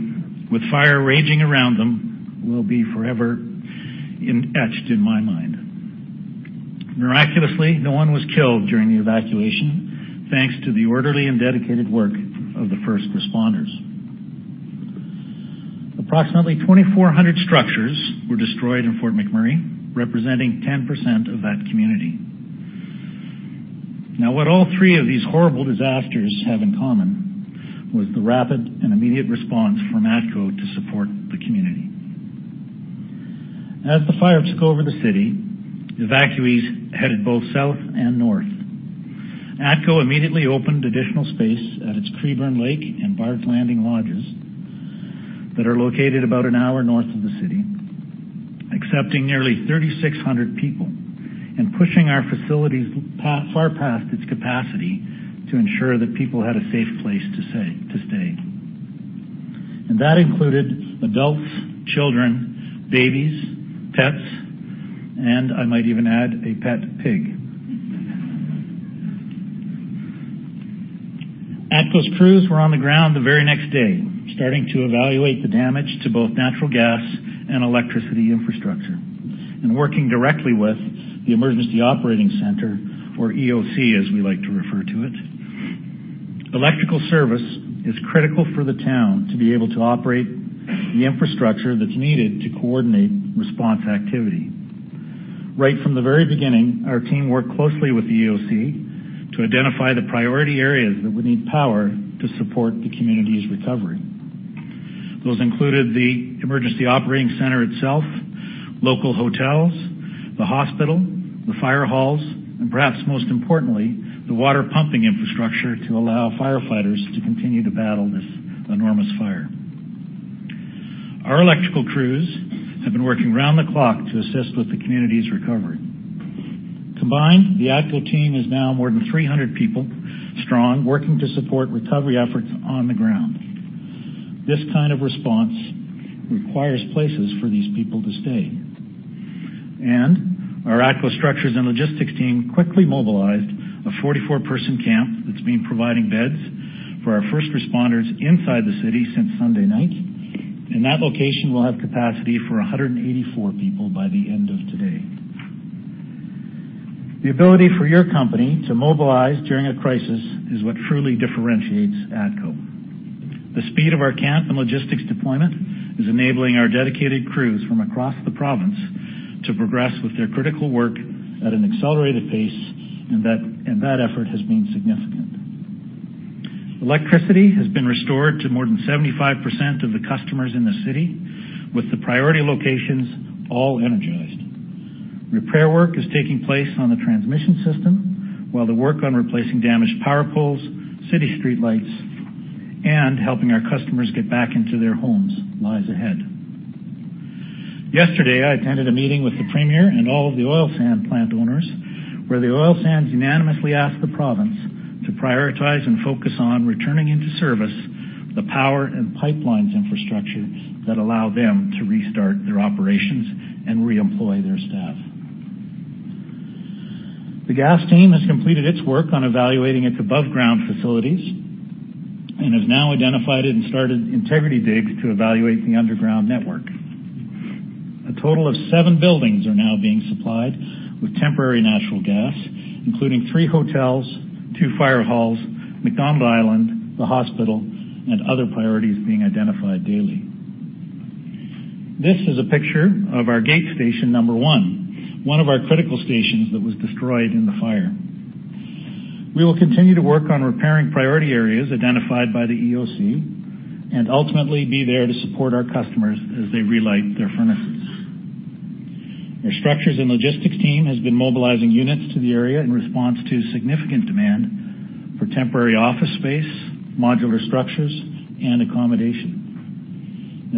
with fire raging around them will be forever etched in my mind. Miraculously, no one was killed during the evacuation, thanks to the orderly and dedicated work of the first responders. What all three of these horrible disasters have in common was the rapid and immediate response from ATCO to support the community. As the fire took over the city, evacuees headed both south and north. ATCO immediately opened additional space at its Treeburn Lake and Barge Landing lodges that are located about an hour north of the city, accepting nearly 3,600 people and pushing our facilities far past its capacity to ensure that people had a safe place to stay. That included adults, children, babies, pets, and I might even add, a pet pig. ATCO's crews were on the ground the very next day, starting to evaluate the damage to both natural gas and electricity infrastructure and working directly with the Emergency Operating Center, or EOC, as we like to refer to it. Electrical service is critical for the town to be able to operate the infrastructure that's needed to coordinate response activity. Right from the very beginning, our team worked closely with the EOC to identify the priority areas that would need power to support the community's recovery. Those included the Emergency Operating Center itself, local hotels, the hospital, the fire halls, and perhaps most importantly, the water pumping infrastructure to allow firefighters to continue to battle this enormous fire. Our electrical crews have been working round the clock to assist with the community's recovery. Combined, the ATCO team is now more than 300 people strong, working to support recovery efforts on the ground. This kind of response requires places for these people to stay. Our ATCO Structures & Logistics team quickly mobilized a 44-person camp that's been providing beds for our first responders inside the city since Sunday night, and that location will have capacity for 184 people by the end of today. The ability for your company to mobilize during a crisis is what truly differentiates ATCO. The speed of our camp and logistics deployment is enabling our dedicated crews from across the province to progress with their critical work at an accelerated pace. That effort has been significant. Electricity has been restored to more than 75% of the customers in the city, with the priority locations all energized. Repair work is taking place on the transmission system while the work on replacing damaged power poles, city streetlights, and helping our customers get back into their homes lies ahead. Yesterday, I attended a meeting with the Premier and all of the oil sand plant owners, where the oil sands unanimously asked the province to prioritize and focus on returning into service the power and pipelines infrastructure that allow them to restart their operations and reemploy their staff. The gas team has completed its work on evaluating its above-ground facilities and has now identified and started integrity digs to evaluate the underground network. A total of seven buildings are now being supplied with temporary natural gas, including three hotels, two fire halls, MacDonald Island, the hospital, and other priorities being identified daily. This is a picture of our gate station number one of our critical stations that was destroyed in the fire. We will continue to work on repairing priority areas identified by the EOC and ultimately be there to support our customers as they relight their furnaces.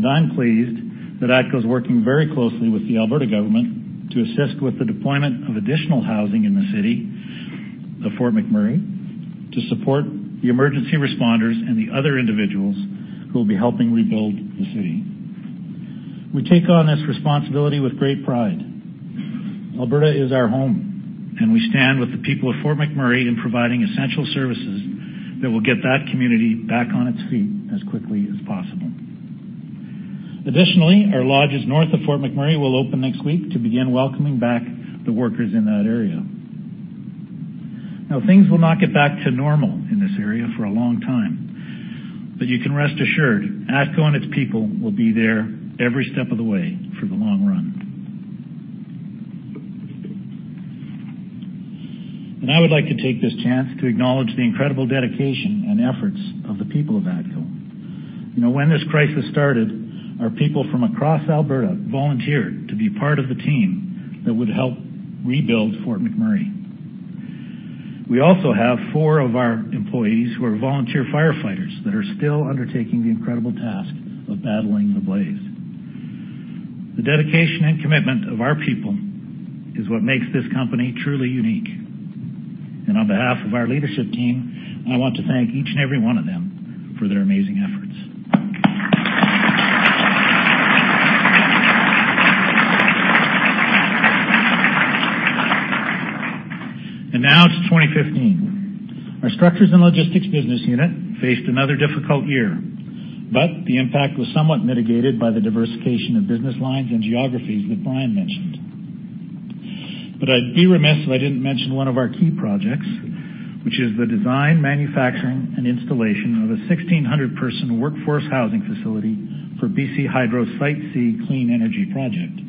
I'm pleased that ATCO is working very closely with the Alberta government to assist with the deployment of additional housing in the city of Fort McMurray to support the emergency responders and the other individuals who will be helping rebuild the city. We take on this responsibility with great pride. Alberta is our home, and we stand with the people of Fort McMurray in providing essential services that will get that community back on its feet as quickly as possible. Additionally, our lodges north of Fort McMurray will open next week to begin welcoming back the workers in that area. Things will not get back to normal in this area for a long time. You can rest assured ATCO and its people will be there every step of the way for the long run. I would like to take this chance to acknowledge the incredible dedication and efforts of the people of ATCO. When this crisis started, our people from across Alberta volunteered to be part of the team that would help rebuild Fort McMurray. We also have four of our employees who are volunteer firefighters that are still undertaking the incredible task of battling the blaze. The dedication and commitment of our people is what makes this company truly unique. On behalf of our leadership team, I want to thank each and every one of them for their amazing efforts. Now to 2015. Our Structures and Logistics business unit faced another difficult year, but the impact was somewhat mitigated by the diversification of business lines and geographies that Brian mentioned. I'd be remiss if I didn't mention one of our key projects, which is the design, manufacturing, and installation of a 1,600-person workforce housing facility for BC Hydro Site C Clean Energy Project.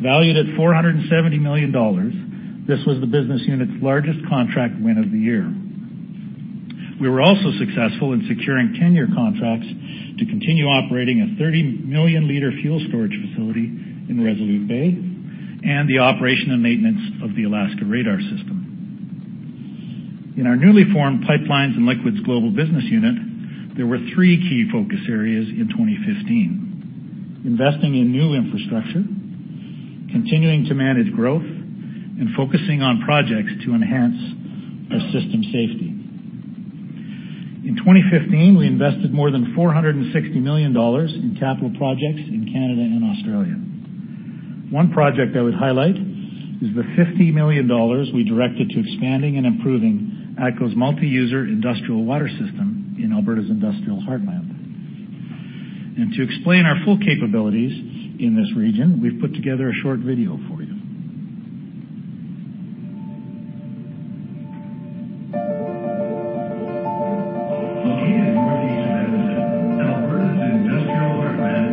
Valued at 470 million dollars, this was the business unit's largest contract win of the year. We were also successful in securing 10-year contracts to continue operating a 30-million-liter fuel storage facility in Resolute Bay and the operation and maintenance of the Alaska radar system. In our newly formed Pipelines & Liquids Global Business Unit, there were three key focus areas in 2015: investing in new infrastructure, continuing to manage growth, and focusing on projects to enhance our system safety. In 2015, we invested more than 460 million dollars in capital projects in Canada and Australia. One project I would highlight is the 50 million dollars we directed to expanding and improving ATCO's multi-user industrial water system in Alberta's Industrial Heartland. To explain our full capabilities in this region, we've put together a short video for you.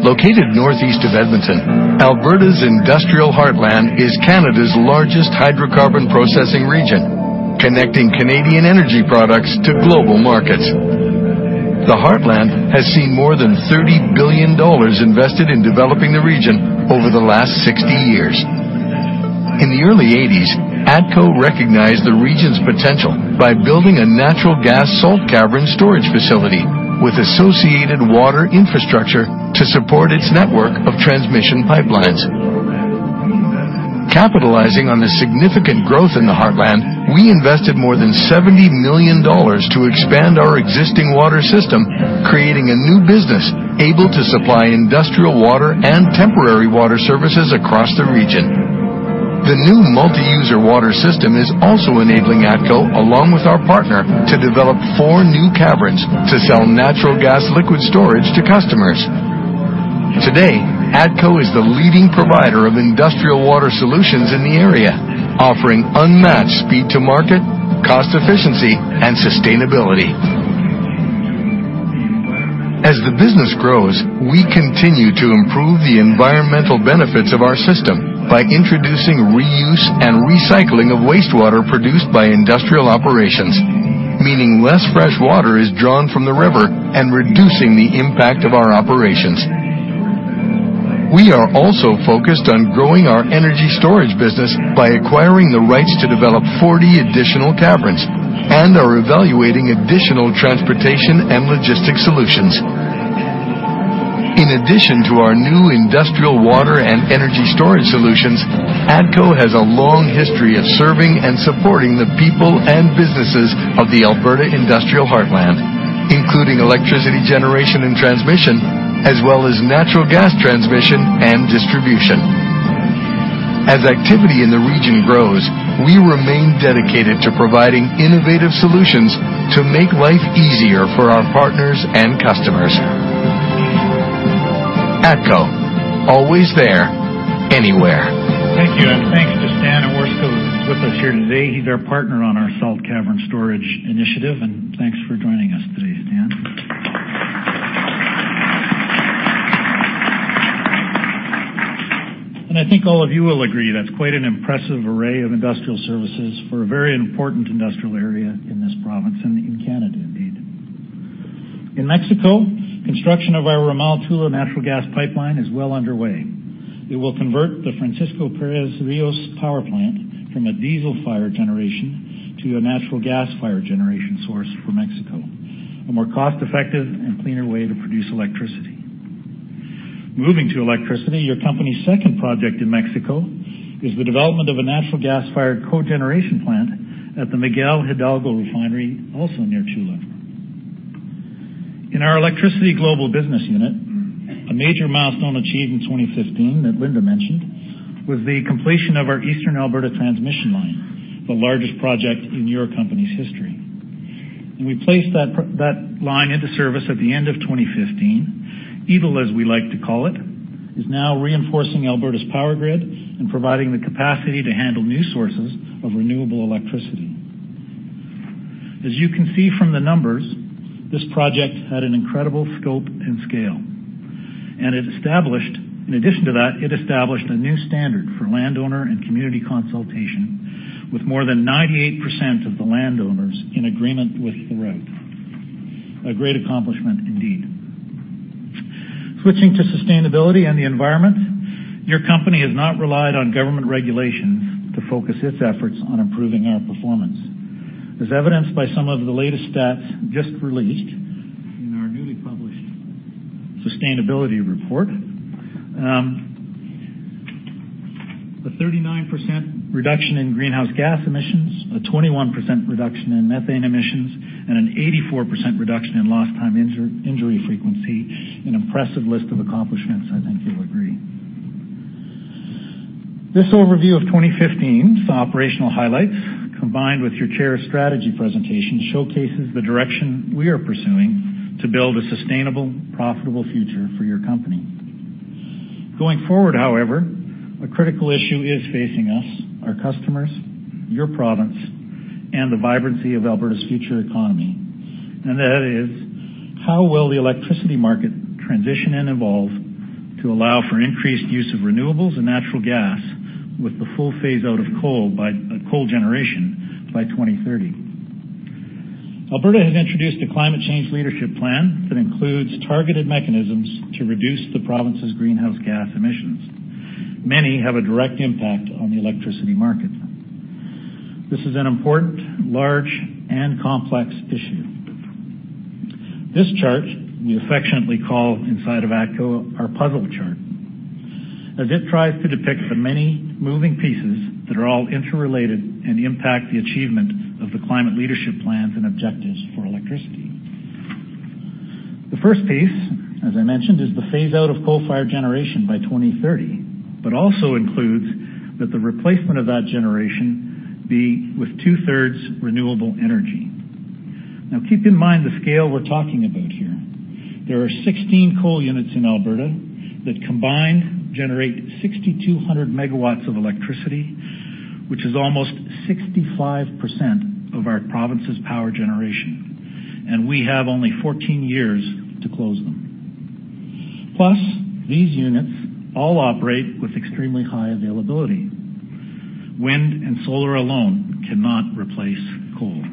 Located northeast of Edmonton, Alberta's Industrial Heartland is Canada's largest hydrocarbon processing region, connecting Canadian energy products to global markets. The Heartland has seen more than 30 billion dollars invested in developing the region over the last 60 years. In the early '80s, ATCO recognized the region's potential by building a natural gas salt cavern storage facility with associated water infrastructure to support its network of transmission pipelines. Capitalizing on the significant growth in the Heartland, we invested more than 70 million dollars to expand our existing water system, creating a new business able to supply industrial water and temporary water services across the region. The new multi-user water system is also enabling ATCO, along with our partner, to develop four new caverns to sell natural gas liquid storage to customers. Today, ATCO is the leading provider of industrial water solutions in the area, offering unmatched speed to market, cost efficiency, and sustainability. As the business grows, we continue to improve the environmental benefits of our system by introducing reuse and recycling of wastewater produced by industrial operations, meaning less fresh water is drawn from the river and reducing the impact of our operations. We are also focused on growing our energy storage business by acquiring the rights to develop 40 additional caverns and are evaluating additional transportation and logistics solutions. In addition to our new industrial water and energy storage solutions, ATCO has a long history of serving and supporting the people and businesses of the Alberta Industrial Heartland, including electricity generation and transmission, as well as natural gas transmission and distribution. As activity in the region grows, we remain dedicated to providing innovative solutions to make life easier for our partners and customers. ATCO. Always there. Anywhere. Thank you, thanks to Stan Owerko, who's with us here today. He's our partner on our salt cavern storage initiative, thanks for joining us today, Stan. I think all of you will agree that's quite an impressive array of industrial services for a very important industrial area in this province and in Canada indeed. In Mexico, construction of our Ramal Tula natural gas pipeline is well underway. It will convert the Francisco Pérez Ríos power plant from a diesel-fired generation to a natural gas-fired generation source for Mexico, a more cost-effective and cleaner way to produce electricity. Moving to Electricity, your company's second project in Mexico is the development of a natural gas-fired cogeneration plant at the Miguel Hidalgo refinery, also near Tula. In our Electricity Global Business Unit, a major milestone achieved in 2015 that Linda mentioned was the completion of our Eastern Alberta Transmission Line, the largest project in your company's history. We placed that line into service at the end of 2015. EAGLE, as we like to call it, is now reinforcing Alberta's power grid and providing the capacity to handle new sources of renewable electricity. As you can see from the numbers, this project had an incredible scope and scale. In addition to that, it established a new standard for landowner and community consultation with more than 98% of the landowners in agreement with the route. A great accomplishment indeed. Switching to sustainability and the environment, your company has not relied on government regulations to focus its efforts on improving our performance. As evidenced by some of the latest stats just released in our newly published sustainability report, a 39% reduction in greenhouse gas emissions, a 21% reduction in methane emissions, and an 84% reduction in lost time injury frequency, an impressive list of accomplishments, I think you'll agree. This overview of 2015's operational highlights, combined with your Chair's strategy presentation, showcases the direction we are pursuing to build a sustainable, profitable future for your company. Going forward, however, a critical issue is facing us, our customers, your province, and the vibrancy of Alberta's future economy, and that is how will the Electricity market transition and evolve to allow for increased use of renewables and natural gas with the full phase-out of coal generation by 2030. Alberta has introduced a Climate Change Leadership Plan that includes targeted mechanisms to reduce the province's greenhouse gas emissions. Many have a direct impact on the Electricity market. This is an important, large, and complex issue. This chart we affectionately call inside of ATCO our puzzle chart, as it tries to depict the many moving pieces that are all interrelated and impact the achievement of the Climate Leadership Plans and objectives for Electricity. The first piece, as I mentioned, is the phase-out of coal-fired generation by 2030, but also includes that the replacement of that generation be with two-thirds renewable energy. Now, keep in mind the scale we're talking about here. There are 16 coal units in Alberta that combined generate 6,200 megawatts of Electricity, which is almost 65% of our province's power generation, and we have only 14 years to close them. These units all operate with extremely high availability. Wind and solar alone cannot replace coal.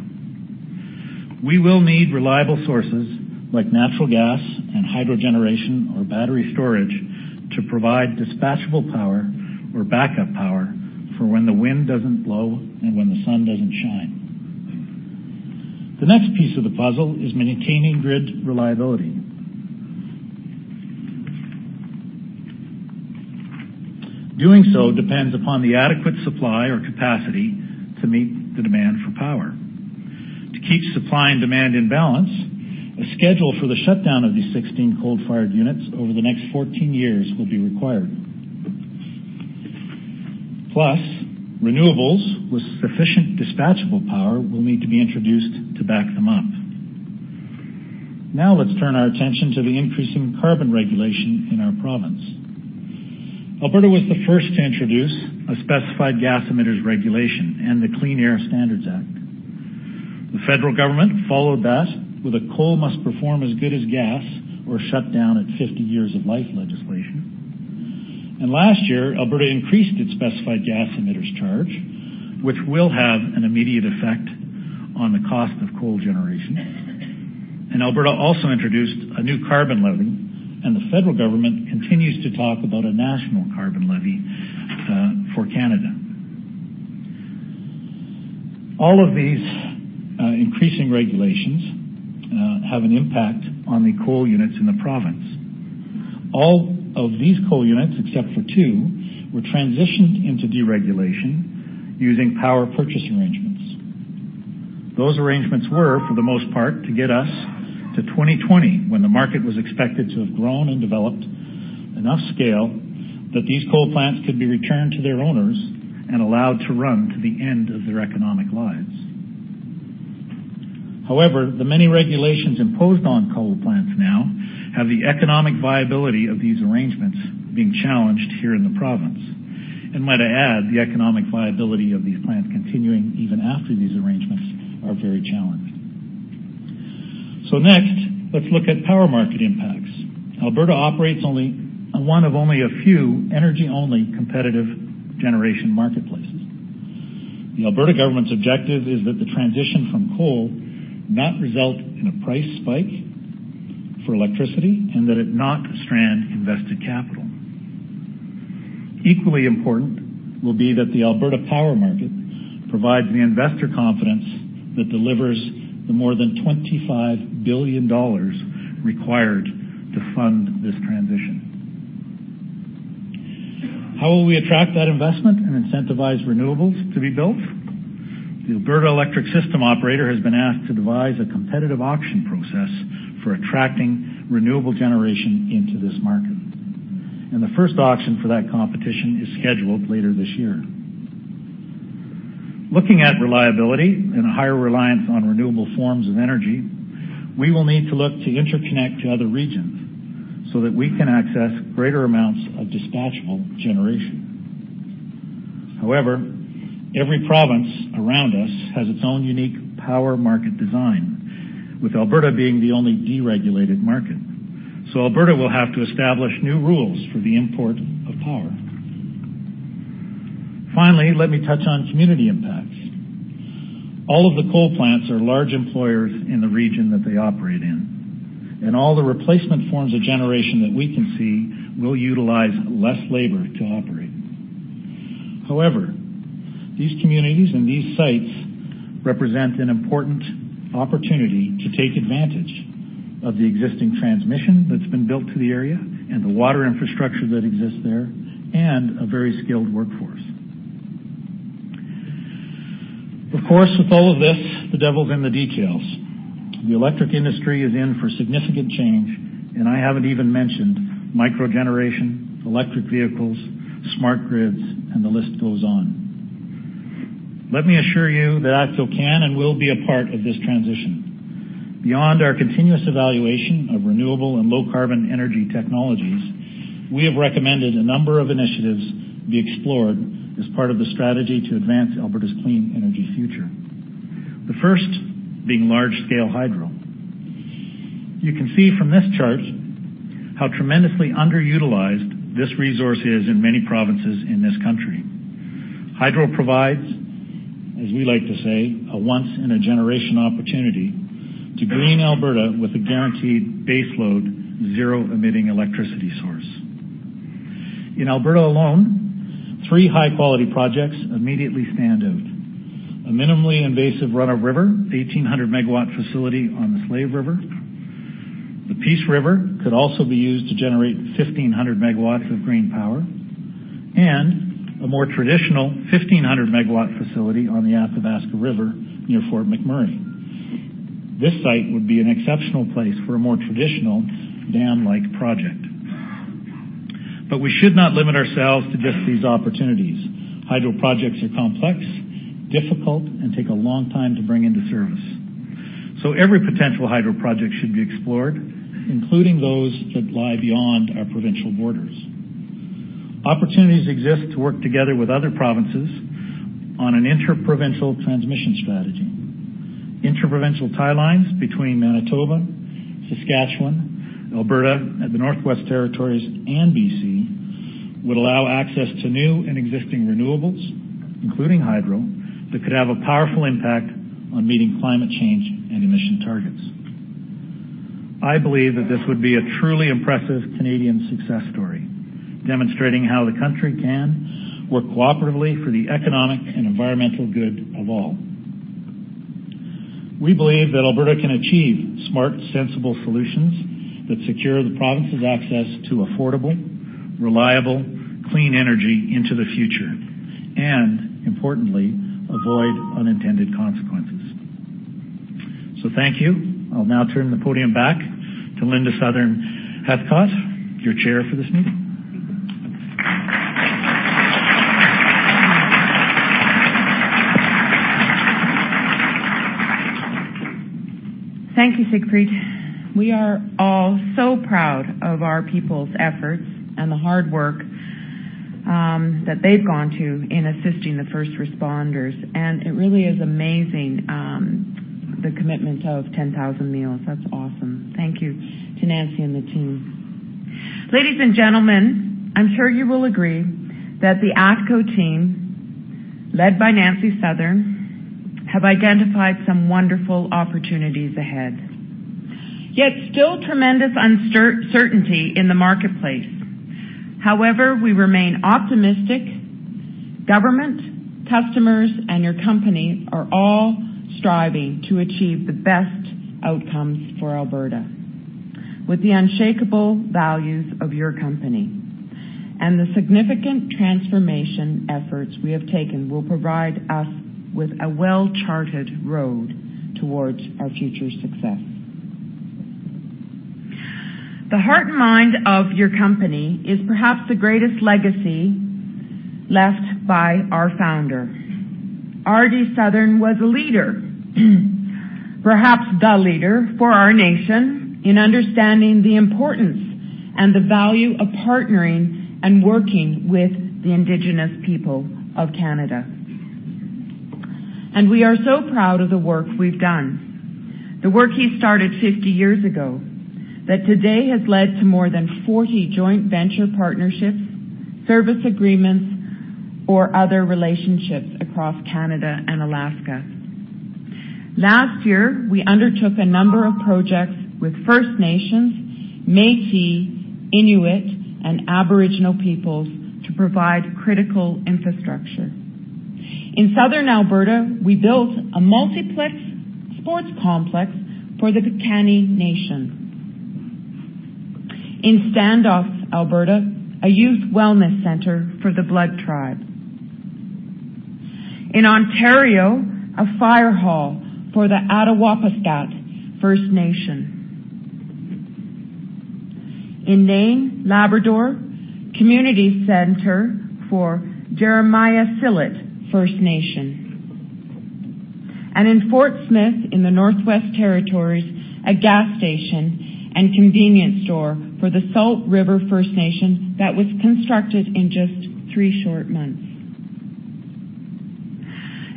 We will need reliable sources like natural gas and hydro generation or battery storage to provide dispatchable power or backup power for when the wind doesn't blow and when the sun doesn't shine. The next piece of the puzzle is maintaining grid reliability. Doing so depends upon the adequate supply or capacity to meet the demand for power. To keep supply and demand in balance, a schedule for the shutdown of these 16 coal-fired units over the next 14 years will be required. Plus, renewables with sufficient dispatchable power will need to be introduced to back them up. Let's turn our attention to the increasing carbon regulation in our province. Alberta was the first to introduce a Specified Gas Emitters Regulation and the Clean Air Standards Act. The federal government followed that with a coal must perform as good as gas or shut down at 50 years of life legislation. Last year, Alberta increased its Specified Gas Emitters charge, which will have an immediate effect on the cost of coal generation. Alberta also introduced a new carbon levy, and the federal government continues to talk about a national carbon levy for Canada. All of these increasing regulations have an impact on the coal units in the province. All of these coal units, except for two, were transitioned into deregulation using power purchase arrangements. Those arrangements were, for the most part, to get us to 2020, when the market was expected to have grown and developed enough scale that these coal plants could be returned to their owners and allowed to run to the end of their economic lives. However, the many regulations imposed on coal plants now have the economic viability of these arrangements being challenged here in the province. Might I add, the economic viability of these plants continuing even after these arrangements are very challenged. Next, let's look at power market impacts. Alberta operates only on one of only a few energy-only competitive generation marketplaces. The Alberta government's objective is that the transition from coal not result in a price spike for electricity and that it not strand invested capital. Equally important will be that the Alberta power market provides the investor confidence that delivers the more than 25 billion dollars required to fund this transition. How will we attract that investment and incentivize renewables to be built? The Alberta Electric System Operator has been asked to devise a competitive auction process for attracting renewable generation into this market, the first auction for that competition is scheduled later this year. Looking at reliability and a higher reliance on renewable forms of energy, we will need to look to interconnect to other regions so that we can access greater amounts of dispatchable generation. However, every province around us has its own unique power market design, with Alberta being the only deregulated market. Alberta will have to establish new rules for the import of power. Finally, let me touch on community impacts. All of the coal plants are large employers in the region that they operate in, and all the replacement forms of generation that we can see will utilize less labor to operate. However, these communities and these sites represent an important opportunity to take advantage of the existing transmission that's been built to the area and the water infrastructure that exists there, and a very skilled workforce. Of course, with all of this, the devil's in the details. The electric industry is in for significant change, I haven't even mentioned microgeneration, electric vehicles, smart grids, and the list goes on. Let me assure you that ATCO can and will be a part of this transition. Beyond our continuous evaluation of renewable and low-carbon energy technologies, we have recommended a number of initiatives be explored as part of the strategy to advance Alberta's clean energy future. The first being large-scale hydro. You can see from this chart how tremendously underutilized this resource is in many provinces in this country. Hydro provides, as we like to say, a once-in-a-generation opportunity to green Alberta with a guaranteed baseload, zero-emitting electricity source. In Alberta alone, three high-quality projects immediately stand out. A minimally invasive run-of-river, 1,800-megawatt facility on the Slave River. The Peace River could also be used to generate 1,500 megawatts of green power, and a more traditional 1,500-megawatt facility on the Athabasca River near Fort McMurray. This site would be an exceptional place for a more traditional dam-like project. We should not limit ourselves to just these opportunities. Hydro projects are complex, difficult, and take a long time to bring into service. Every potential hydro project should be explored, including those that lie beyond our provincial borders. Opportunities exist to work together with other provinces on an interprovincial transmission strategy. Interprovincial tie lines between Manitoba, Saskatchewan, Alberta, and the Northwest Territories and B.C. would allow access to new and existing renewables, including hydro, that could have a powerful impact on meeting climate change and emission targets. I believe that this would be a truly impressive Canadian success story, demonstrating how the country can work cooperatively for the economic and environmental good of all. We believe that Alberta can achieve smart, sensible solutions that secure the province's access to affordable, reliable, clean energy into the future, and importantly, avoid unintended consequences. Thank you. I'll now turn the podium back to Linda Southern-Heathcott, your chair for this meeting. Thank you, Siegfried. We are all so proud of our people's efforts and the hard work that they've gone to in assisting the first responders, it really is amazing, the commitment of 10,000 meals. That's awesome. Thank you to Nancy and the team. Ladies and gentlemen, I'm sure you will agree that the ATCO team, led by Nancy Southern, have identified some wonderful opportunities ahead, yet still tremendous uncertainty in the marketplace. We remain optimistic. Government, customers, and your company are all striving to achieve the best outcomes for Alberta. With the unshakable values of your company and the significant transformation efforts we have taken will provide us with a well-charted road towards our future success. The heart and mind of your company is perhaps the greatest legacy left by our founder. R.D. Southern was a leader, perhaps the leader for our nation in understanding the importance and the value of partnering and working with the Indigenous Peoples of Canada. We are so proud of the work we've done, the work he started 50 years ago, that today has led to more than 40 joint venture partnerships, service agreements, or other relationships across Canada and Alaska. Last year, we undertook a number of projects with First Nations, Métis, Inuit, and Aboriginal Peoples to provide critical infrastructure. In Southern Alberta, we built a multiplex sports complex for the Piikani Nation. In Standoff, Alberta, a youth wellness center for the Blood Tribe. In Ontario, a fire hall for the Attawapiskat First Nation. In Nain, Labrador, community center for Jeremiah Sillit First Nation. In Fort Smith in the Northwest Territories, a gas station and convenience store for the Salt River First Nation that was constructed in just three short months.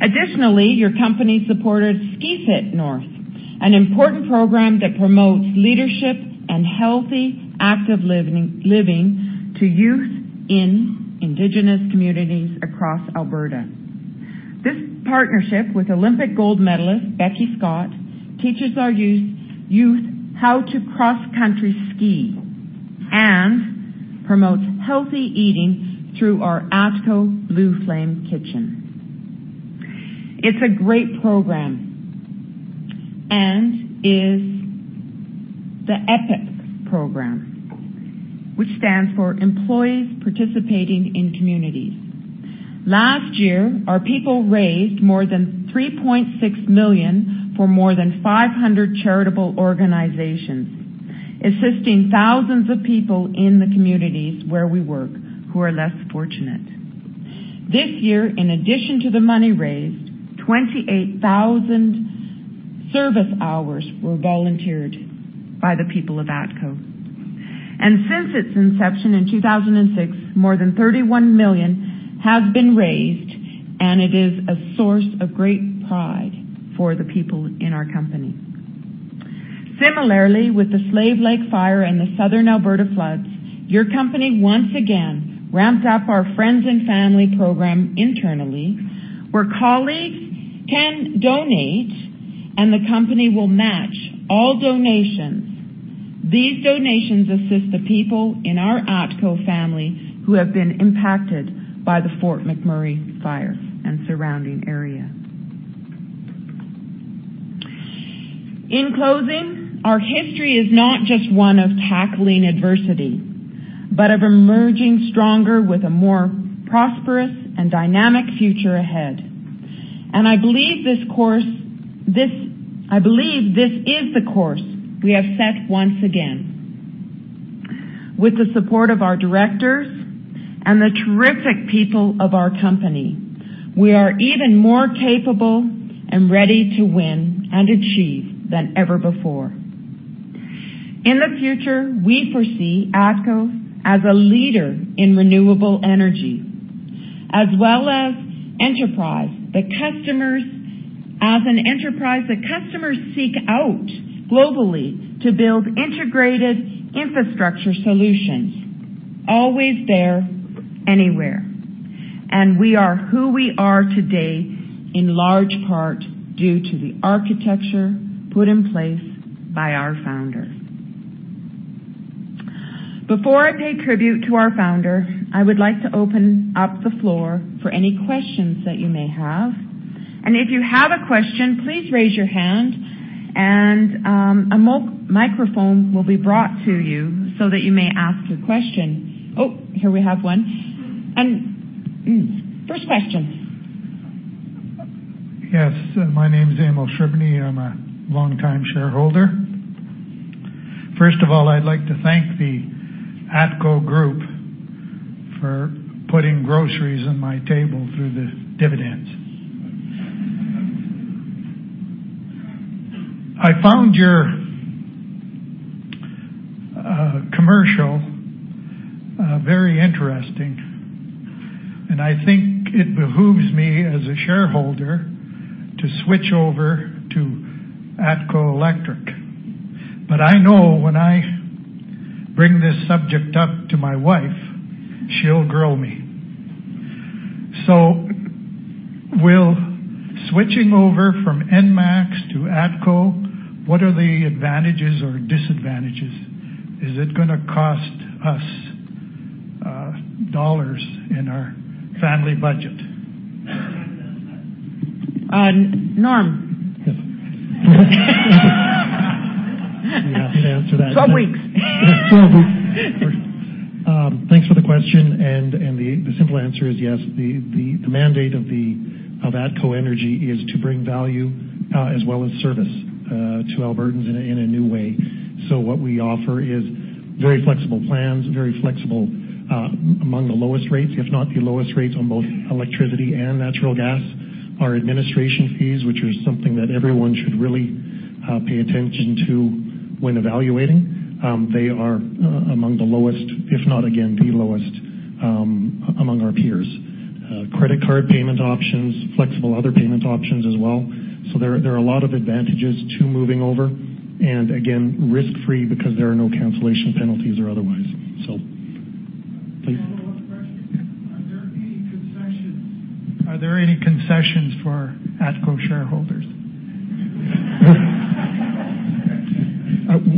Additionally, your company supported Ski Fit North, an important program that promotes leadership and healthy active living to youth in Indigenous communities across Alberta. This partnership with Olympic gold medalist Beckie Scott teaches our youth how to cross-country ski and promotes healthy eating through our ATCO Blue Flame Kitchen. It's a great program and is the EPIC program, which stands for Employees Participating in Communities. Last year, our people raised more than 3.6 million for more than 500 charitable organizations, assisting thousands of people in the communities where we work who are less fortunate. This year, in addition to the money raised, 28,000 service hours were volunteered by the people of ATCO. Since its inception in 2006, more than 31 million has been raised, and it is a source of great pride for the people in our company. Similarly, with the Slave Lake Fire and the Southern Alberta Floods, your company once again ramps up our Friends and Family Program internally, where colleagues can donate, and the company will match all donations. These donations assist the people in our ATCO family who have been impacted by the Fort McMurray Fire and surrounding area. In closing, our history is not just one of tackling adversity, but of emerging stronger with a more prosperous and dynamic future ahead. I believe this is the course we have set once again. With the support of our directors and the terrific people of our company, we are even more capable and ready to win and achieve than ever before. In the future, we foresee ATCO as a leader in renewable energy as well as enterprise, that customers seek out globally to build integrated infrastructure solutions, always there, anywhere. We are who we are today in large part due to the architecture put in place by our founder. Before I pay tribute to our founder, I would like to open up the floor for any questions that you may have. If you have a question, please raise your hand and a microphone will be brought to you so that you may ask your question. Oh, here we have one. First question. My name is Emil Shibney. I'm a longtime shareholder. First of all, I'd like to thank the ATCO Group for putting groceries on my table through the dividends. I found your commercial very interesting, and I think it behooves me as a shareholder to switch over to ATCO Electric. I know when I bring this subject up to my wife, she'll grill me. Will switching over from ENMAX to ATCO, what are the advantages or disadvantages? Is it going to cost us dollars in our family budget? Norm? Yes. Yeah, I can answer that. 12 weeks. 12 weeks. Thanks for the question. The simple answer is yes. The mandate of ATCO Energy is to bring value, as well as service to Albertans in a new way. What we offer is very flexible plans, very flexible among the lowest rates, if not the lowest rates on both electricity and natural gas. Our administration fees, which are something that everyone should really pay attention to when evaluating, they are among the lowest, if not, again, the lowest among our peers. Credit card payment options, flexible other payment options as well. There are a lot of advantages to moving over and again, risk-free because there are no cancellation penalties or otherwise. Please. Follow-up question. Are there any concessions for ATCO shareholders?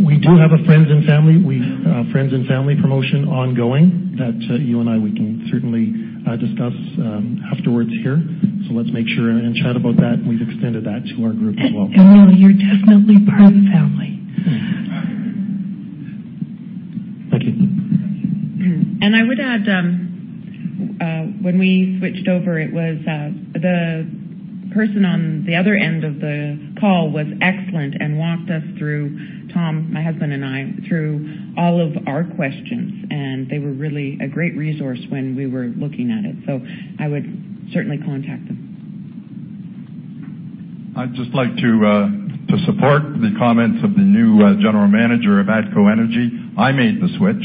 We do have a friends and family promotion ongoing that you and I, we can certainly discuss afterwards here. Let's make sure and chat about that. We've extended that to our group as well. You're definitely part of the family. Thank you. I would add, when we switched over, the person on the other end of the call was excellent and walked us through, Tom, my husband and I, through all of our questions, and they were really a great resource when we were looking at it. I would certainly contact them. I'd just like to support the comments of the new general manager of ATCO Energy. I made the switch,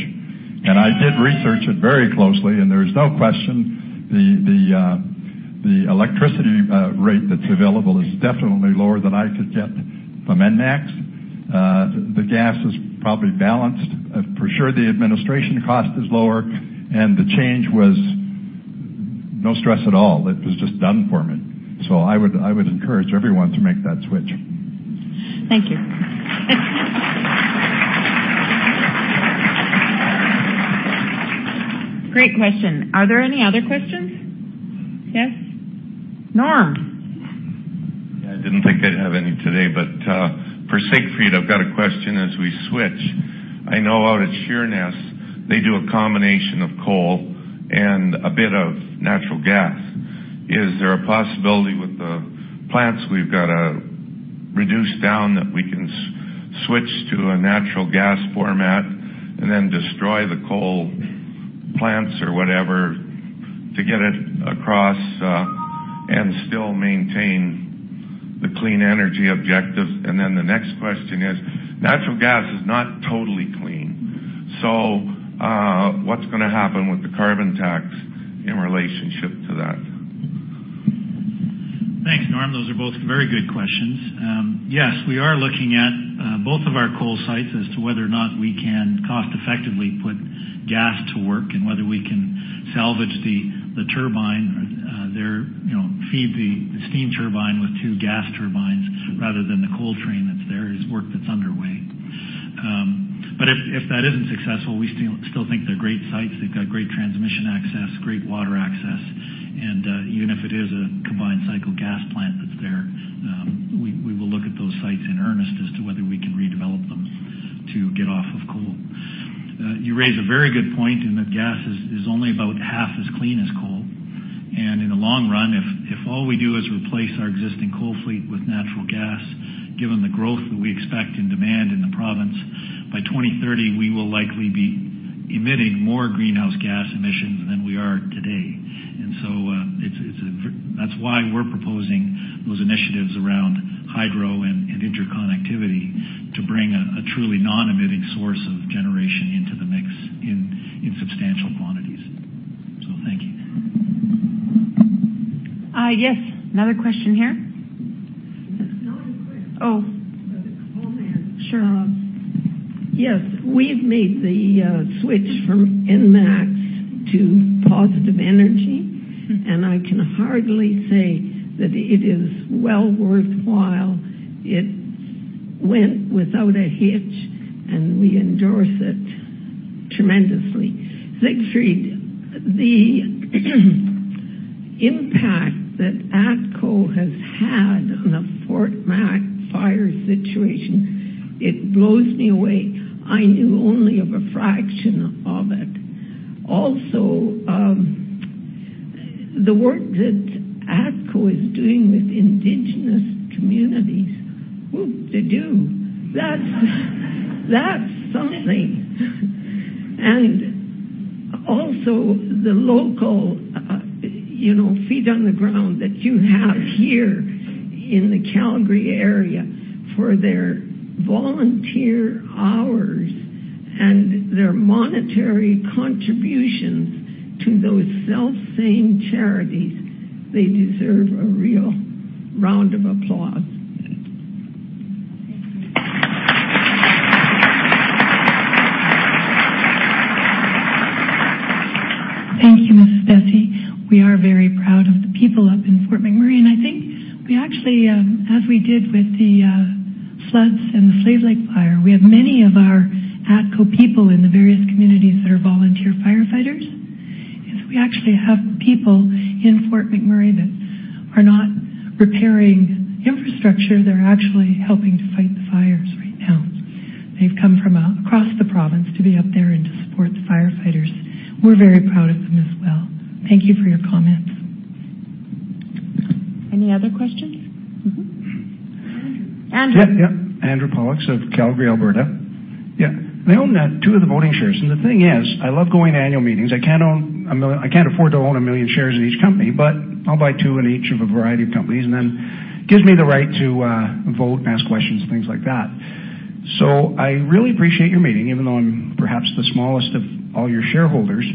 I did research it very closely, and there's no question, the electricity rate that's available is definitely lower than I could get from ENMAX. The gas is probably balanced. For sure, the administration cost is lower, and the change was no stress at all. It was just done for me. I would encourage everyone to make that switch. Thank you. Great question. Are there any other questions? Yes, Norm? I didn't think I'd have any today, for sake of it, I've got a question as we switch. I know out at Sheerness, they do a combination of coal and a bit of natural gas. Is there a possibility with the plants we've got to reduce down that we can switch to a natural gas format and then destroy the coal plants or whatever to get it across and still maintain the clean energy objective? The next question is, natural gas is not totally clean. What's going to happen with the carbon tax in relationship to that? Thanks, Norm. Those are both very good questions. Yes, we are looking at both of our coal sites as to whether or not we can cost-effectively put gas to work and whether we can salvage the turbine there, feed the steam turbine with 2 gas turbines rather than the coal train that's there, is work that's underway. If that isn't successful, we still think they're great sites. They've got great transmission access, great water access, even if it is a combined cycle gas plant that's there we will look at those sites in earnest as to whether we can redevelop them to get off of coal. You raise a very good point in that gas is only about half as clean as coal. In the long run, if all we do is replace our existing coal fleet with natural gas, given the growth that we expect in demand in the province, by 2030, we will likely be emitting more greenhouse gas emissions than we are today. That's why we're proposing those initiatives around hydro and interconnectivity to bring a truly non-emitting source of generation into the mix in substantial quantities. So thank you. Yes. Another question here. It's not a question. Oh. It's a comment. Sure. Yes. We've made the switch from ENMAX to Positive Energy. I can hardly say that it is well worthwhile. Went without a hitch. We endorse it tremendously. Siegfried, the impact that ATCO has had on the Fort Mac fire situation, it blows me away. I knew only of a fraction of it. The work that ATCO is doing with Indigenous communities. Whoop-de-doo. That's something. The local feet on the ground that you have here in the Calgary area for their volunteer hours and their monetary contributions to those self-same charities. They deserve a real round of applause. Thank you. Thank you, Mrs. Besse. We are very proud of the people up in Fort McMurray. I think we actually, as we did with the floods and the Slave Lake fire, we have many of our ATCO people in the various communities that are volunteer firefighters. We actually have people in Fort McMurray that are not repairing infrastructure. They're actually helping to fight the fires right now. They've come from across the province to be up there and to support the firefighters. We're very proud of them as well. Thank you for your comments. Any other questions? Andrew. Andrew Pollack of Calgary, Alberta. I own 2 of the voting shares. The thing is, I love going to annual meetings. I can't afford to own 1 million shares in each company, I'll buy 2 in each of a variety of companies. Then gives me the right to vote and ask questions, things like that. I really appreciate your meeting, even though I'm perhaps the smallest of all your shareholders.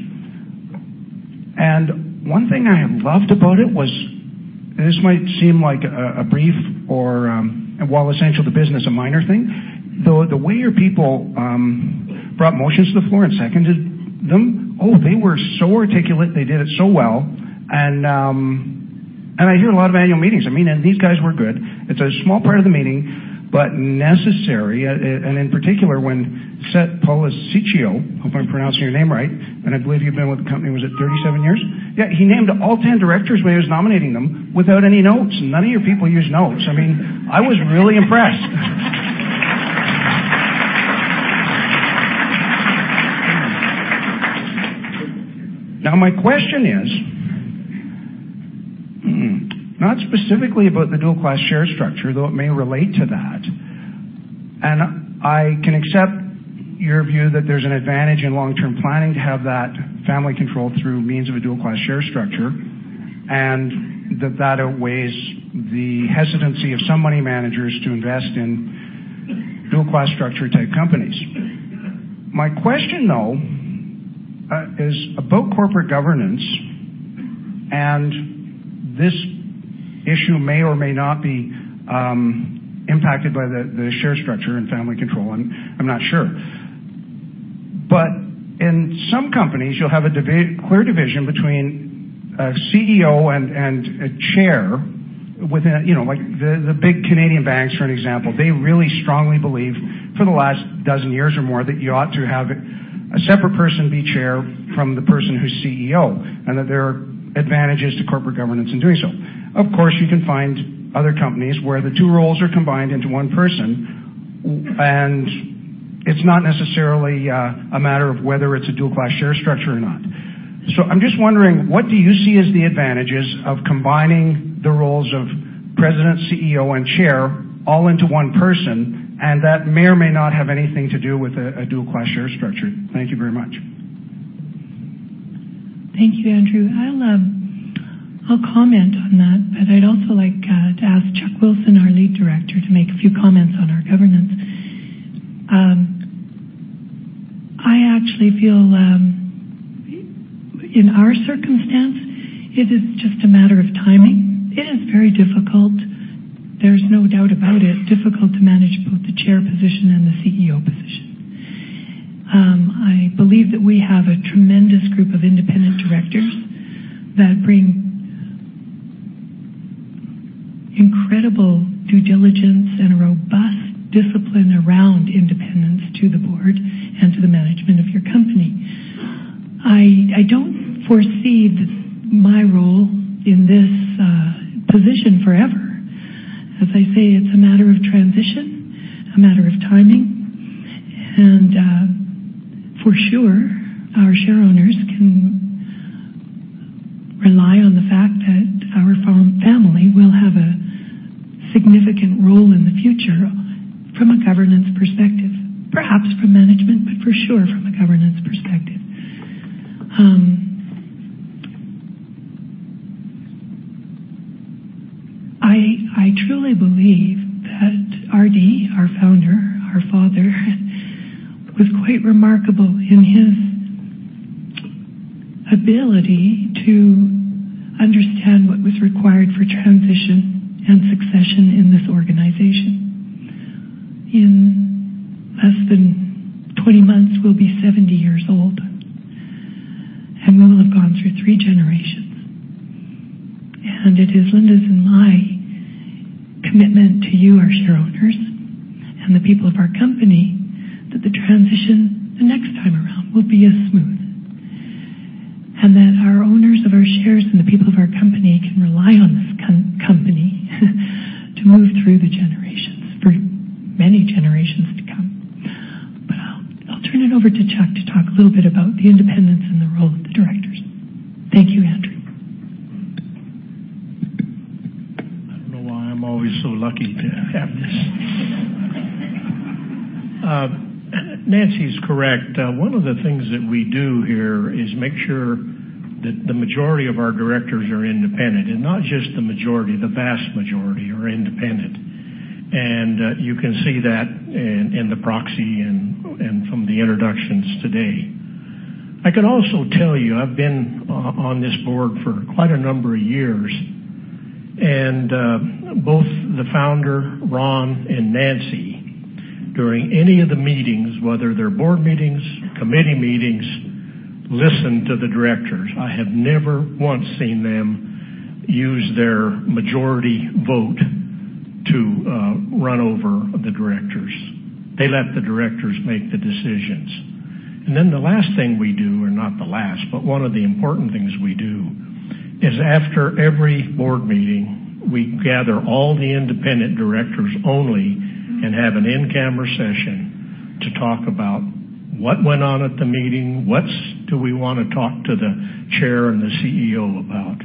One thing I loved about it was, this might seem like a brief or, while essential to business, a minor thing. The way your people brought motions to the floor and seconded them, they were so articulate. They did it so well. I hear a lot of annual meetings. These guys were good. It's a small part of the meeting, necessary. In particular, when Sett Policicchio, hope I'm pronouncing your name right, I believe you've been with the company, was it 37 years? He named all 10 directors when he was nominating them without any notes. None of your people use notes. I was really impressed. My question is not specifically about the dual-class share structure, though it may relate to that. I can accept your view that there's an advantage in long-term planning to have that family control through means of a dual-class share structure. That outweighs the hesitancy of some money managers to invest in dual-class structure-type companies. My question, though, is about corporate governance. This issue may or may not be impacted by the share structure and family control. I'm not sure. In some companies, you'll have a clear division between a CEO and a chair, like the big Canadian banks, for an example. They really strongly believe for the last 12 years or more that you ought to have a separate person be chair from the person who's CEO. There are advantages to corporate governance in doing so. Of course, you can find other companies where the 2 roles are combined into 1 person. It's not necessarily a matter of whether it's a dual-class share structure or not. I'm just wondering, what do you see as the advantages of combining the roles of president, CEO, and chair all into 1 person? That may or may not have anything to do with a dual-class share structure. Thank you very much. Thank you, Andrew. I'll comment on that. I'd also like to ask Chuck Wilson, our lead director, to make a few comments on our governance. I actually feel in our circumstance, it is just a matter of timing. It is very difficult, there's no doubt about it, difficult to manage both the chair position and the CEO position. I believe that we have a tremendous group of independent directors that bring incredible due diligence and a robust discipline around independence to the board and to the management of your company. I don't foresee my role in this position forever. As I say, it's a matter of transition, a matter of timing. For sure, our share owners can rely on the fact that our family will have a significant role in the future from a governance perspective. Perhaps from management, for sure from a governance perspective. I truly believe that R.D., our founder, our father, was quite remarkable in his ability to understand what was required for transition and succession in this organization. In less than 20 months, we'll be 70 years old. gone through three generations. It is Linda's and my commitment to you, our shareowners, and the people of our company, that the transition the next time around will be as smooth, that our owners of our shares and the people of our company can rely on this company to move through the generations, for many generations to come. I'll turn it over to Chuck to talk a little bit about the independence and the role of the directors. Thank you, Andrew. I don't know why I'm always so lucky to have this. Nancy's correct. One of the things that we do here is make sure that the majority of our directors are independent. Not just the majority, the vast majority are independent. You can see that in the proxy and from the introductions today. I can also tell you, I've been on this board for quite a number of years, both the founder, Ron and Nancy, during any of the meetings, whether they're board meetings, committee meetings, listen to the directors. I have never once seen them use their majority vote to run over the directors. They let the directors make the decisions. Then the last thing we do, or not the last, but one of the important things we do, is after every board meeting, we gather all the independent directors only and have an in-camera session to talk about what went on at the meeting, what do we want to talk to the chair and the CEO about,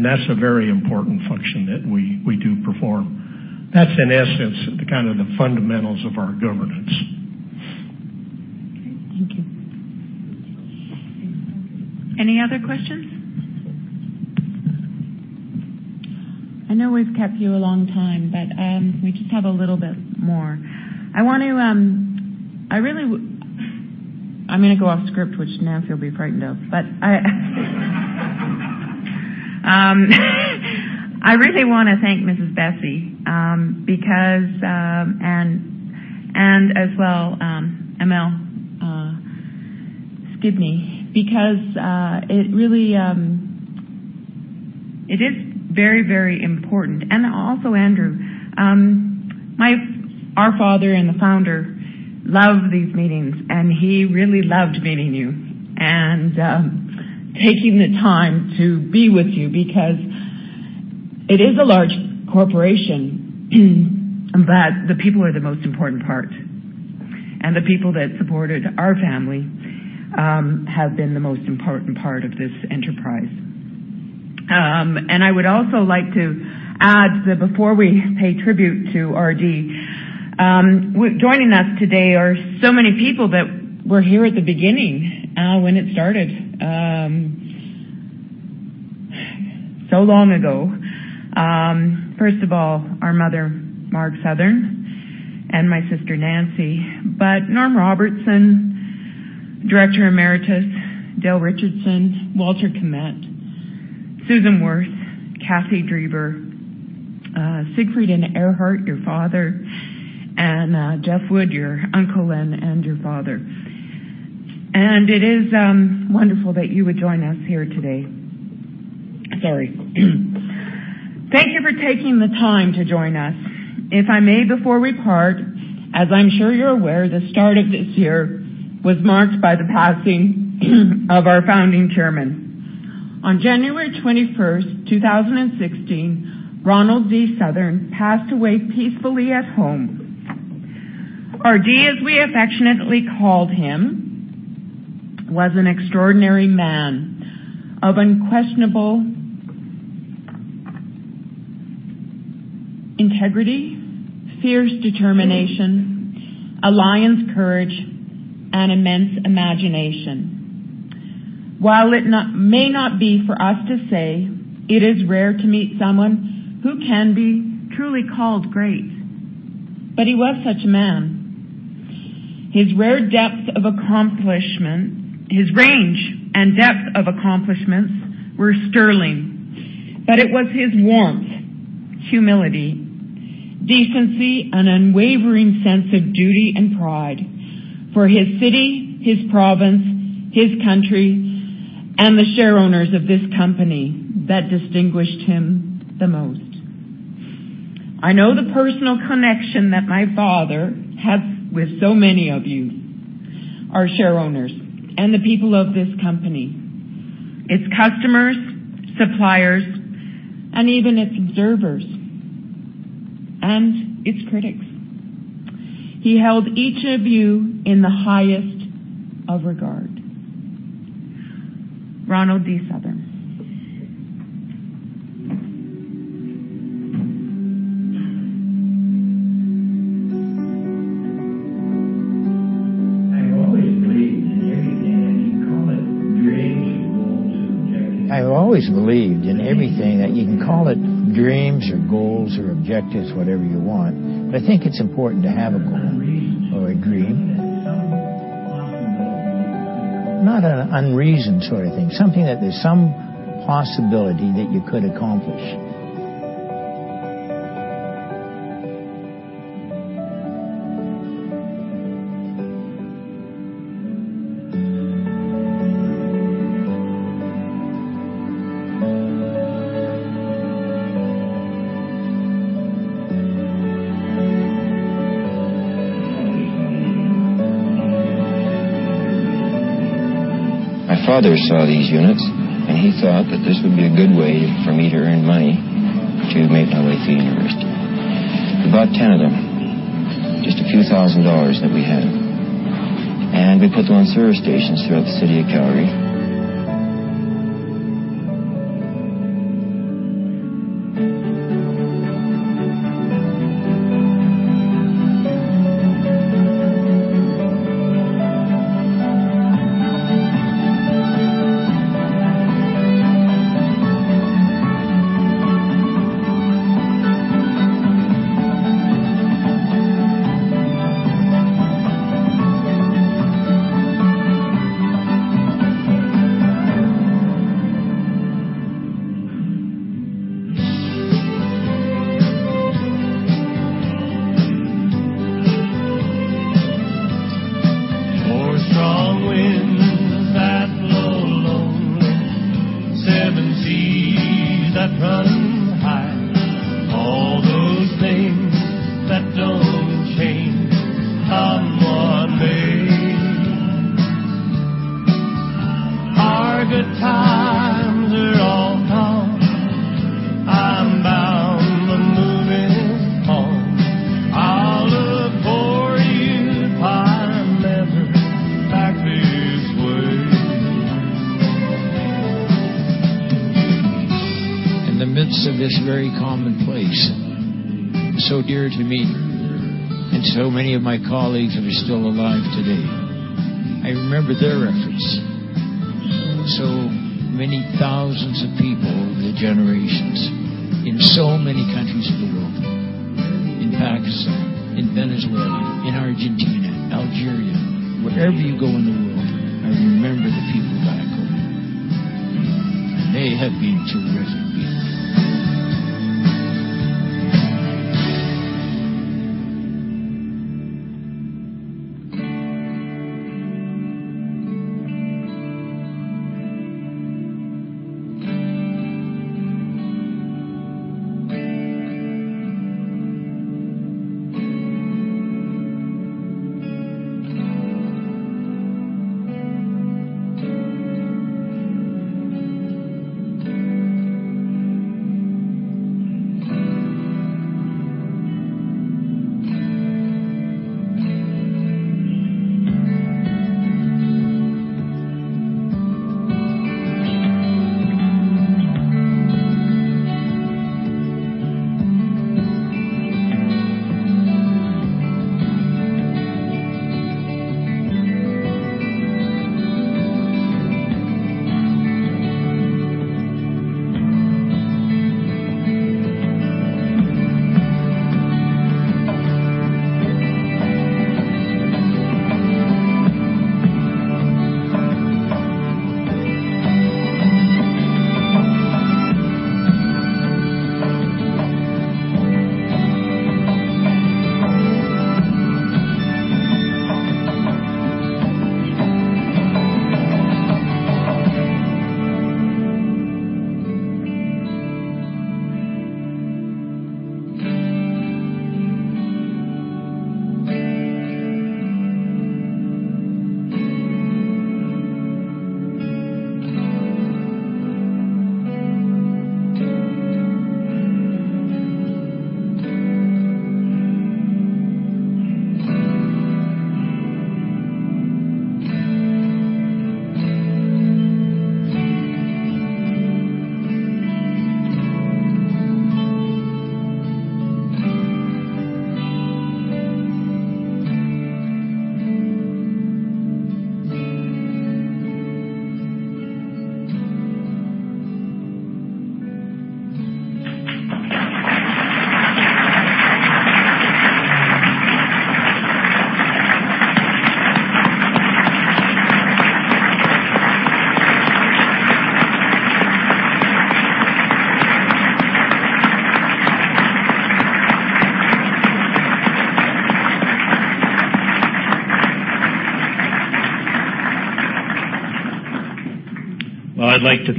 that's a very important function that we do perform. That's in essence the kind of the fundamentals of our governance. Okay. Thank you. Any other questions? I know we've kept you a long time, but we just have a little bit more. I'm going to go off script, which Nancy will be frightened of, but I really want to thank Mrs. Besse, and as well ML Skidmore, because it is very important, and also Andrew. Our father and the founder loved these meetings, and he really loved meeting you and taking the time to be with you because it is a large corporation, but the people are the most important part. The people that supported our family have been the most important part of this enterprise. I would also like to add that before we pay tribute to RD, joining us today are so many people that were here at the beginning when it started so long ago. First of all, our mother, Marg Southern, and my sister Nancy, but Norm Robertson, Director Emeritus, Dale Richardson, Walter Kmet, Susan Worth, Kathy Drever, Siegfried and Erhard, your father, and Jeff Wood, your uncle and your father. It is wonderful that you would join us here today. Sorry. Thank you for taking the time to join us. If I may, before we part, as I'm sure you're aware, the start of this year was marked by the passing of our founding chairman. On January 21st, 2016, Ronald D. Southern passed away peacefully at home. RD, as we affectionately called him, was an extraordinary man of unquestionable integrity, fierce determination, alliance courage, and immense imagination. While it may not be for us to say, it is rare to meet someone who can be truly called great, but he was such a man. His range and depth of accomplishments were sterling. It was his warmth, humility, decency, and unwavering sense of duty and pride for his city, his province, his country, and the shareowners of this company that distinguished him the most. I know the personal connection that my father had with so many of you, our shareowners, and the people of this company, its customers, suppliers, and even its observers and its critics. He held each of you in the highest of regard. Ronald D. Southern. I've always believed in everything that you can call it dreams or goals or objectives, whatever you want. I think it's important to have a goal or a dream. Not an unreason sort of thing, something that there's some possibility that you could accomplish. My father saw these units, and he thought that this would be a good way for me to earn money to make my way through university. We bought 10 of them, just a few thousand CAD that we had, and we put them on service stations throughout the City of Calgary. Four strong winds that blow low, seven seas that run high. All those things that don't change come what may. Our good times are all gone. I'm bound for moving on. I'll look for you if I'm ever back this way. In the midst of this very common place, so dear to me, and so many of my colleagues who are still alive today, I remember their efforts. So many thousands of people over the generations in so many countries of the world, in Pakistan, in Venezuela, in Argentina, Algeria. Wherever you go in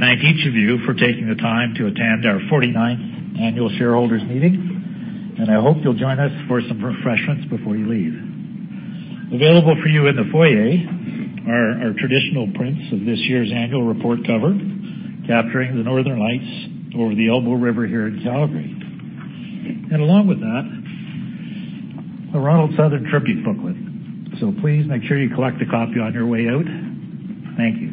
the world, I remember the people of ATCO, and they have been terrific people. Well, I'd like to thank each of you for taking the time to attend our 49th annual shareholders meeting, and I hope you'll join us for some refreshments before you leave. Available for you in the foyer are our traditional prints of this year's annual report cover, capturing the northern lights over the Elbow River here in Calgary. Along with that, a Ronald Southern tribute booklet. Please make sure you collect a copy on your way out. Thank you.